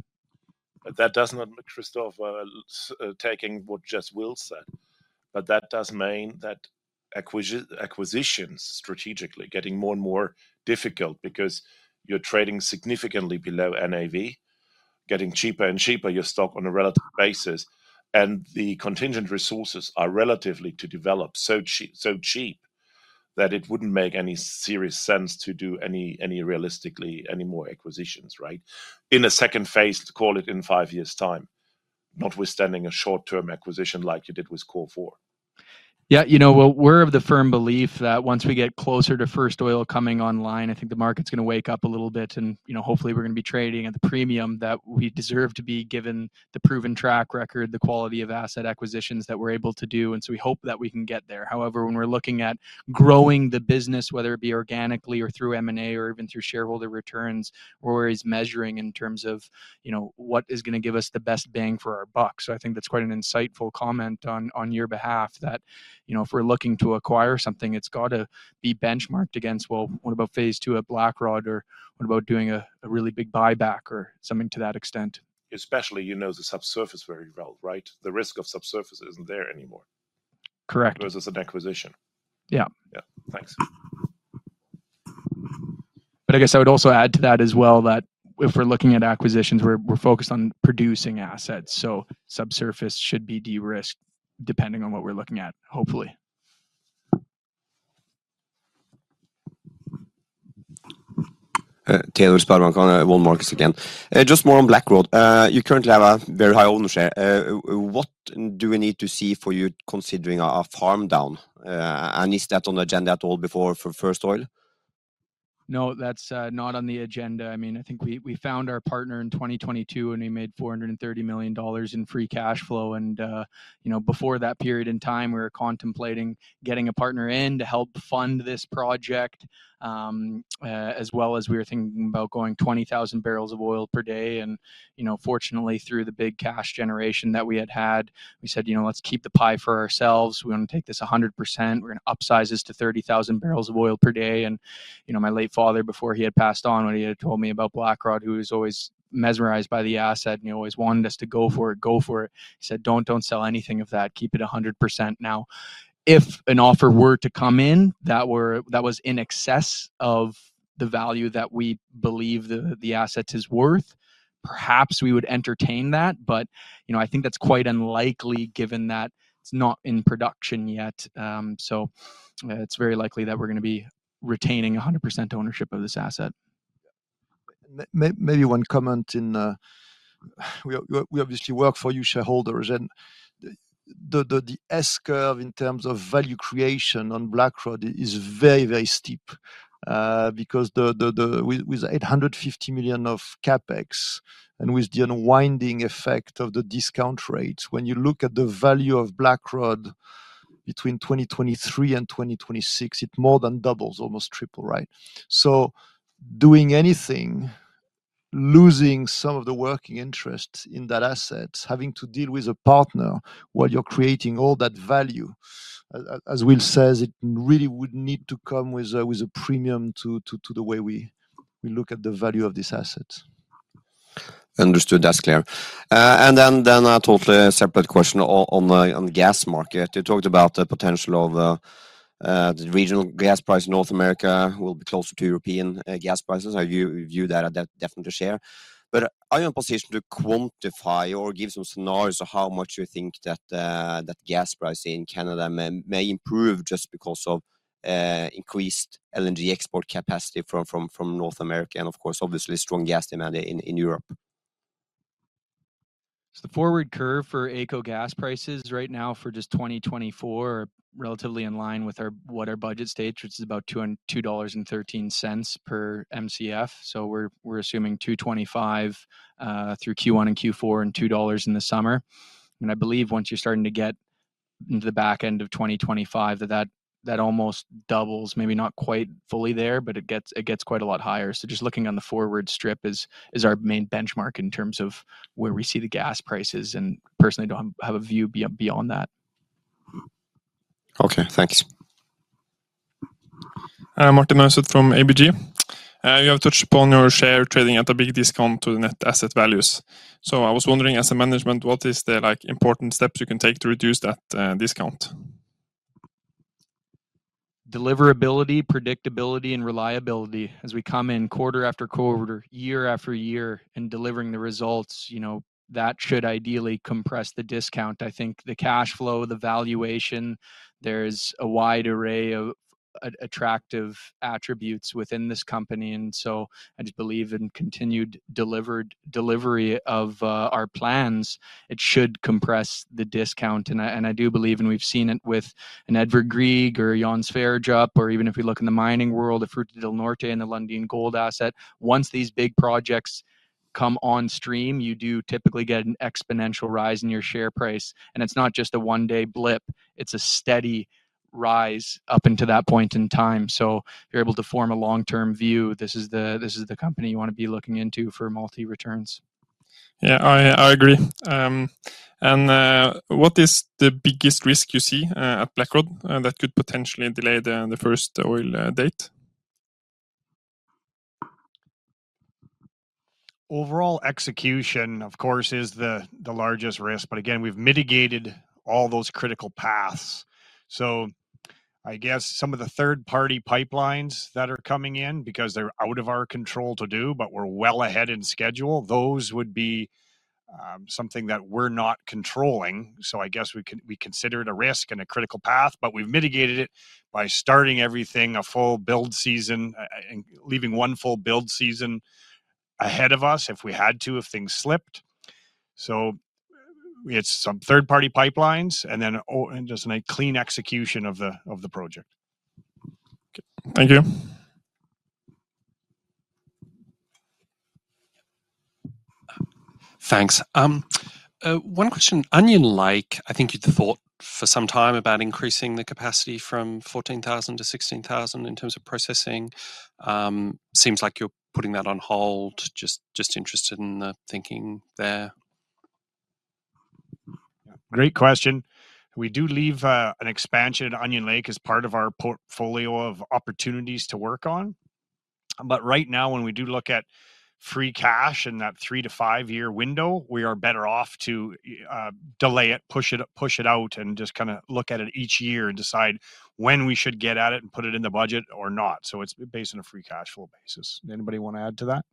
But that does not, Christophe, taking what just Will said, but that does mean that acquisitions strategically getting more and more difficult because you're trading significantly below NAV, getting cheaper and cheaper, your stock, on a relative basis. And the contingent resources are relatively to develop, so cheap, so cheap, that it wouldn't make any serious sense to do any, any realistically, any more acquisitions, right? In a second phase, to call it in five years' time, notwithstanding a short-term acquisition like you did with Cor4. Yeah, you know what? We're of the firm belief that once we get closer to first oil coming online, I think the market's gonna wake up a little bit, and, you know, hopefully, we're gonna be trading at the premium that we deserve to be given the proven track record, the quality of asset acquisitions that we're able to do, and so we hope that we can get there. However, when we're looking at growing the business, whether it be organically or through M&A or even through shareholder returns, we're always measuring in terms of, you know, what is gonna give us the best bang for our buck. So I think that's quite an insightful comment on your behalf, that, you know, if we're looking to acquire something, it's got to be benchmarked against, well, what about Phase 2 at Blackrod, or what about doing a really big buyback or something to that extent? Especially, you know the subsurface very well, right? The risk of subsurface isn't there anymore. Correct. Versus an acquisition. Yeah. Yeah. Thanks. But I guess I would also add to that as well, that if we're looking at acquisitions, we're focused on producing assets, so subsurface should be de-risked, depending on what we're looking at, hopefully. Teodor Sveen-Nilsen from SpareBank 1 Markets again. Just more on Blackrod. You currently have a very high ownership. What do we need to see for you considering a farm down, and is that on the agenda at all before first oil? No, that's not on the agenda. I mean, I think we, we found our partner in 2022, and we made $430 million in free cash flow. And, you know, before that period in time, we were contemplating getting a partner in to help fund this project. As well as we were thinking about going 20,000 barrels of oil per day. And, you know, fortunately, through the big cash generation that we had had, we said, "You know, let's keep the pie for ourselves. We're gonna take this 100%. We're gonna upsize this to 30,000 barrels of oil per day." And, you know, my late father, before he had passed on, when he had told me about Blackrod, he was always mesmerized by the asset, and he always wanted us to, "Go for it, go for it." He said, "Don't, don't sell anything of that. Keep it 100%." Now, if an offer were to come in, that was in excess of the value that we believe the asset is worth, perhaps we would entertain that. But, you know, I think that's quite unlikely, given that it's not in production yet. So, it's very likely that we're gonna be retaining 100% ownership of this asset. Maybe one comment in. We obviously work for you, shareholders, and the S-curve in terms of value creation on Blackrod is very, very steep. Because with $850 million of CapEx and with the unwinding effect of the discount rate, when you look at the value of Blackrod between 2023 and 2026, it more than doubles, almost triple, right? So doing anything, losing some of the working interest in that asset, having to deal with a partner while you're creating all that value-... As Will says, it really would need to come with a premium to the way we look at the value of this asset. Understood. That's clear. And then a totally separate question on the gas market. You talked about the potential of the regional gas price in North America will be closer to European gas prices. I view that at that, definitely share. But are you in a position to quantify or give some scenarios of how much you think that that gas price in Canada may improve just because of increased LNG export capacity from North America, and of course, obviously, strong gas demand in Europe? So the forward curve for AECO gas prices right now for just 2024 are relatively in line with our, what our budget states, which is about $2.13 per Mcf. So we're, we're assuming $2.25 through Q1 and Q4, and $2 in the summer. And I believe once you're starting to get into the back end of 2025, that almost doubles, maybe not quite fully there, but it gets quite a lot higher. So just looking on the forward strip is our main benchmark in terms of where we see the gas prices, and personally, don't have a view beyond that. Okay, thanks. Martin Mauseth from ABG. You have touched upon your share trading at a big discount to the net asset values. So I was wondering, as a management, what is the, like, important steps you can take to reduce that discount? Deliverability, predictability, and reliability. As we come in quarter after quarter, year after year, and delivering the results, you know, that should ideally compress the discount. I think the cash flow, the valuation, there's a wide array of attractive attributes within this company, and so I just believe in continued delivery of our plans, it should compress the discount. And I do believe, and we've seen it with an Edvard Grieg or a Johan Sverdrup, or even if we look in the mining world, the Fruta del Norte and the Lundin Gold asset. Once these big projects come on stream, you do typically get an exponential rise in your share price. And it's not just a one-day blip, it's a steady rise up until that point in time. If you're able to form a long-term view, this is the, this is the company you want to be looking into for multi returns. Yeah, I agree. And what is the biggest risk you see at Blackrod that could potentially delay the first oil date? Overall execution, of course, is the largest risk. But again, we've mitigated all those critical paths. So I guess some of the third-party pipelines that are coming in because they're out of our control to do, but we're well ahead in schedule, those would be something that we're not controlling. So I guess we consider it a risk and a critical path, but we've mitigated it by starting everything, a full build season, and leaving one full build season ahead of us if we had to, if things slipped. So it's some third-party pipelines, and then and just a clean execution of the project. Okay. Thank you. Thanks. One question. Onion Lake, I think you'd thought for some time about increasing the capacity from 14,000 to 16,000 in terms of processing. Seems like you're putting that on hold. Just, just interested in the thinking there. Great question. We do leave an expansion at Onion Lake as part of our portfolio of opportunities to work on. But right now, when we do look at free cash in that 3-5-year window, we are better off to delay it, push it, push it out, and just kinda look at it each year and decide when we should get at it and put it in the budget or not. So it's based on a free cash flow basis. Anybody want to add to that?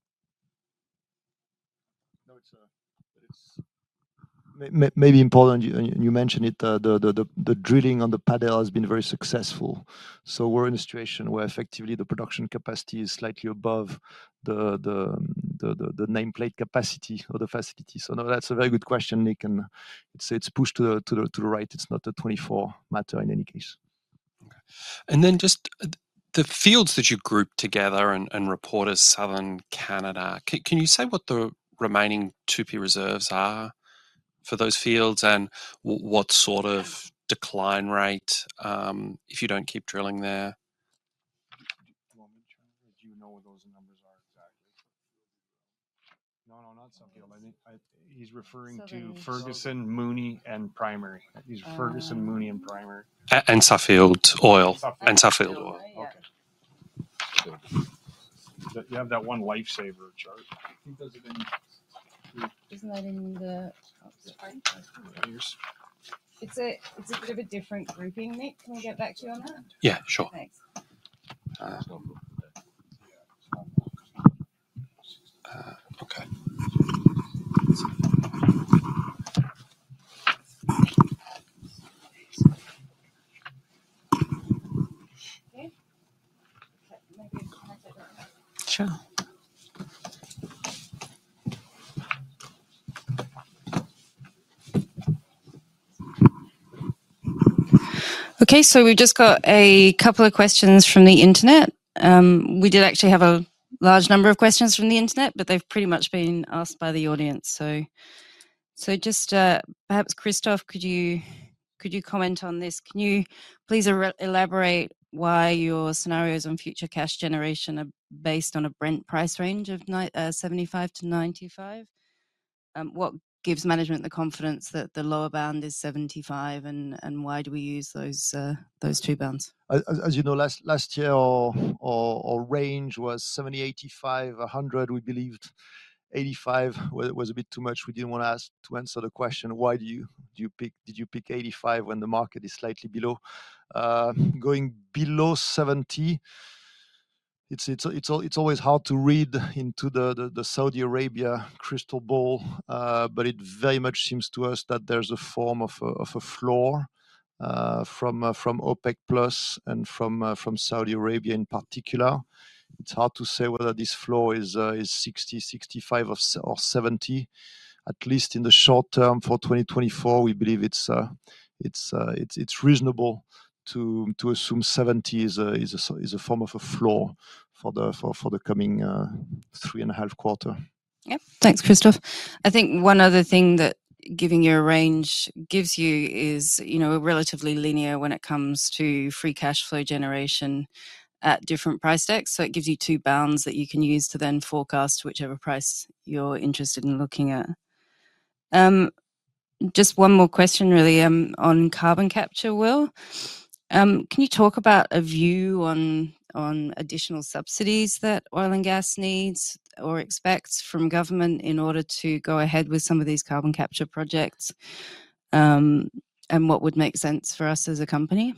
No, it's maybe important, you and you mentioned it, the drilling on the Pad L has been very successful. So we're in a situation where effectively the production capacity is slightly above the nameplate capacity of the facility. So, no, that's a very good question, Nick, and it's pushed to the right. It's not a 24 matter in any case. Okay. And then just the fields that you grouped together and report as Southern Canada, can you say what the remaining 2P reserves are for those fields? And what sort of decline rate, if you don't keep drilling there? Do you want me to...? Do you know what those numbers are exactly? No, no, not Suffield. I think I... He's referring to Ferguson, Mooney, and Primary. He's Ferguson, Mooney, and Primary. A and Suffield Oil. Suffield. Suffield oil. Okay. So you have that one lifesaver chart. I think those are in- Isn't that in the... Sorry. Here's. It's a bit of a different grouping, Nick. Can we get back to you on that? Yeah, sure. Thanks. Sure. Okay, so we've just got a couple of questions from the internet. We did actually have a large number of questions from the internet, but they've pretty much been asked by the audience. So just, perhaps, Christophe, could you, could you comment on this? Can you please elaborate why your scenarios on future cash generation are based on a Brent price range of $75-$95? What gives management the confidence that the lower bound is seventy-five, and why do we use those two bounds? As you know, last year our range was $70-$85-$100. We believed 85 was a bit too much. We didn't want to answer the question, "Why do you pick $85 when the market is slightly below?" Going below $70, it's always hard to read into the Saudi Arabia crystal ball, but it very much seems to us that there's a form of a floor from OPEC+ and from Saudi Arabia in particular. It's hard to say whether this floor is $60, $65, or $70. At least in the short term, for 2024, we believe it's reasonable to assume 70 is a form of a floor for the coming three and a half quarter. Yep. Thanks, Christophe. I think one other thing that giving you a range gives you is, you know, we're relatively linear when it comes to free cash flow generation at different price decks. So it gives you two bounds that you can use to then forecast whichever price you're interested in looking at. Just one more question, really, on carbon capture, Will. Can you talk about a view on, on additional subsidies that oil and gas needs or expects from government in order to go ahead with some of these carbon capture projects? And what would make sense for us as a company?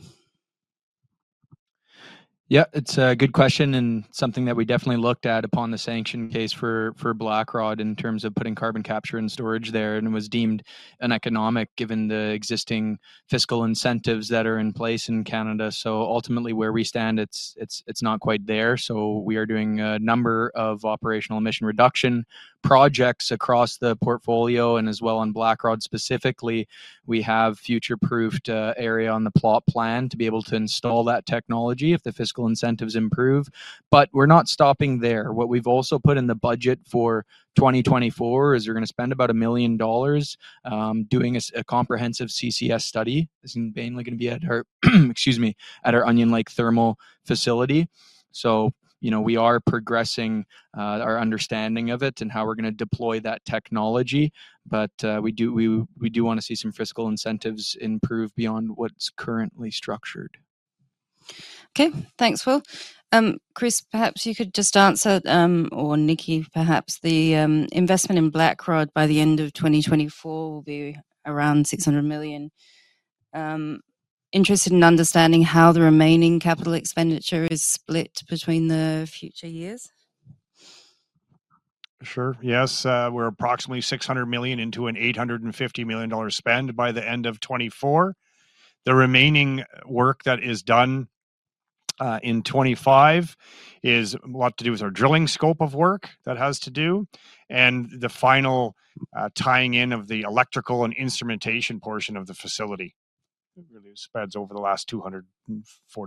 Yeah, it's a good question and something that we definitely looked at upon the sanction case for Blackrod in terms of putting carbon capture and storage there, and it was deemed uneconomic, given the existing fiscal incentives that are in place in Canada. So ultimately, where we stand, it's not quite there. So we are doing a number of operational emission reduction projects across the portfolio and as well on Blackrod specifically. We have future-proofed area on the plot plan to be able to install that technology if the fiscal incentives improve. But we're not stopping there. What we've also put in the budget for 2024 is we're gonna spend about $1 million doing a comprehensive CCS study. This is mainly gonna be at our Onion Lake Thermal facility. So, you know, we are progressing our understanding of it and how we're gonna deploy that technology, but we do wanna see some fiscal incentives improve beyond what's currently structured. Okay. Thanks, Will. Chris, perhaps you could just answer, or Mike, perhaps, the investment in Blackrod by the end of 2024 will be around $600 million. Interested in understanding how the remaining capital expenditure is split between the future years. Sure. Yes, we're approximately $600 million into an $850 million spend by the end of 2024. The remaining work that is done in 2025 is a lot to do with our drilling scope of work, that has to do, and the final tying in of the electrical and instrumentation portion of the facility. It really spreads over the last $240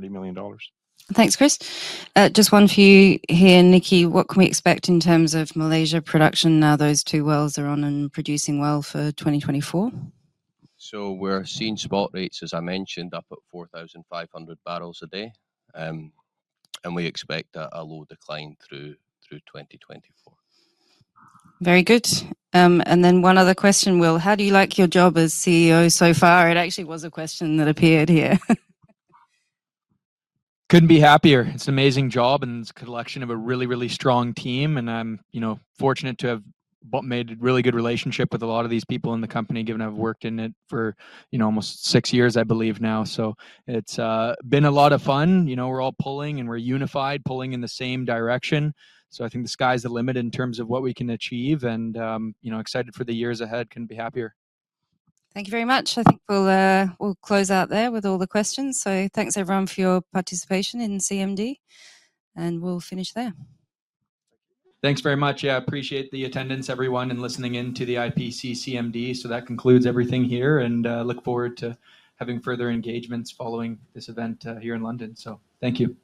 million. Thanks, Chris. Just one for you here, Mike. What can we expect in terms of Malaysia production now those two wells are on and producing well for 2024? We're seeing spot rates, as I mentioned, up at 4,500 barrels a day. We expect a low decline through 2024. Very good. And then one other question, Will: How do you like your job as CEO so far? It actually was a question that appeared here. Couldn't be happier. It's an amazing job, and it's a collection of a really, really strong team, and I'm, you know, fortunate to have made a really good relationship with a lot of these people in the company, given I've worked in it for, you know, almost six years, I believe now. So it's been a lot of fun. You know, we're all pulling and we're unified, pulling in the same direction. So I think the sky's the limit in terms of what we can achieve and, you know, excited for the years ahead. Couldn't be happier. Thank you very much. I think we'll, we'll close out there with all the questions. Thanks, everyone, for your participation in CMD, and we'll finish there. Thanks very much. Yeah, I appreciate the attendance, everyone, and listening in to the IPC CMD. So that concludes everything here, and look forward to having further engagements following this event here in London. So thank you.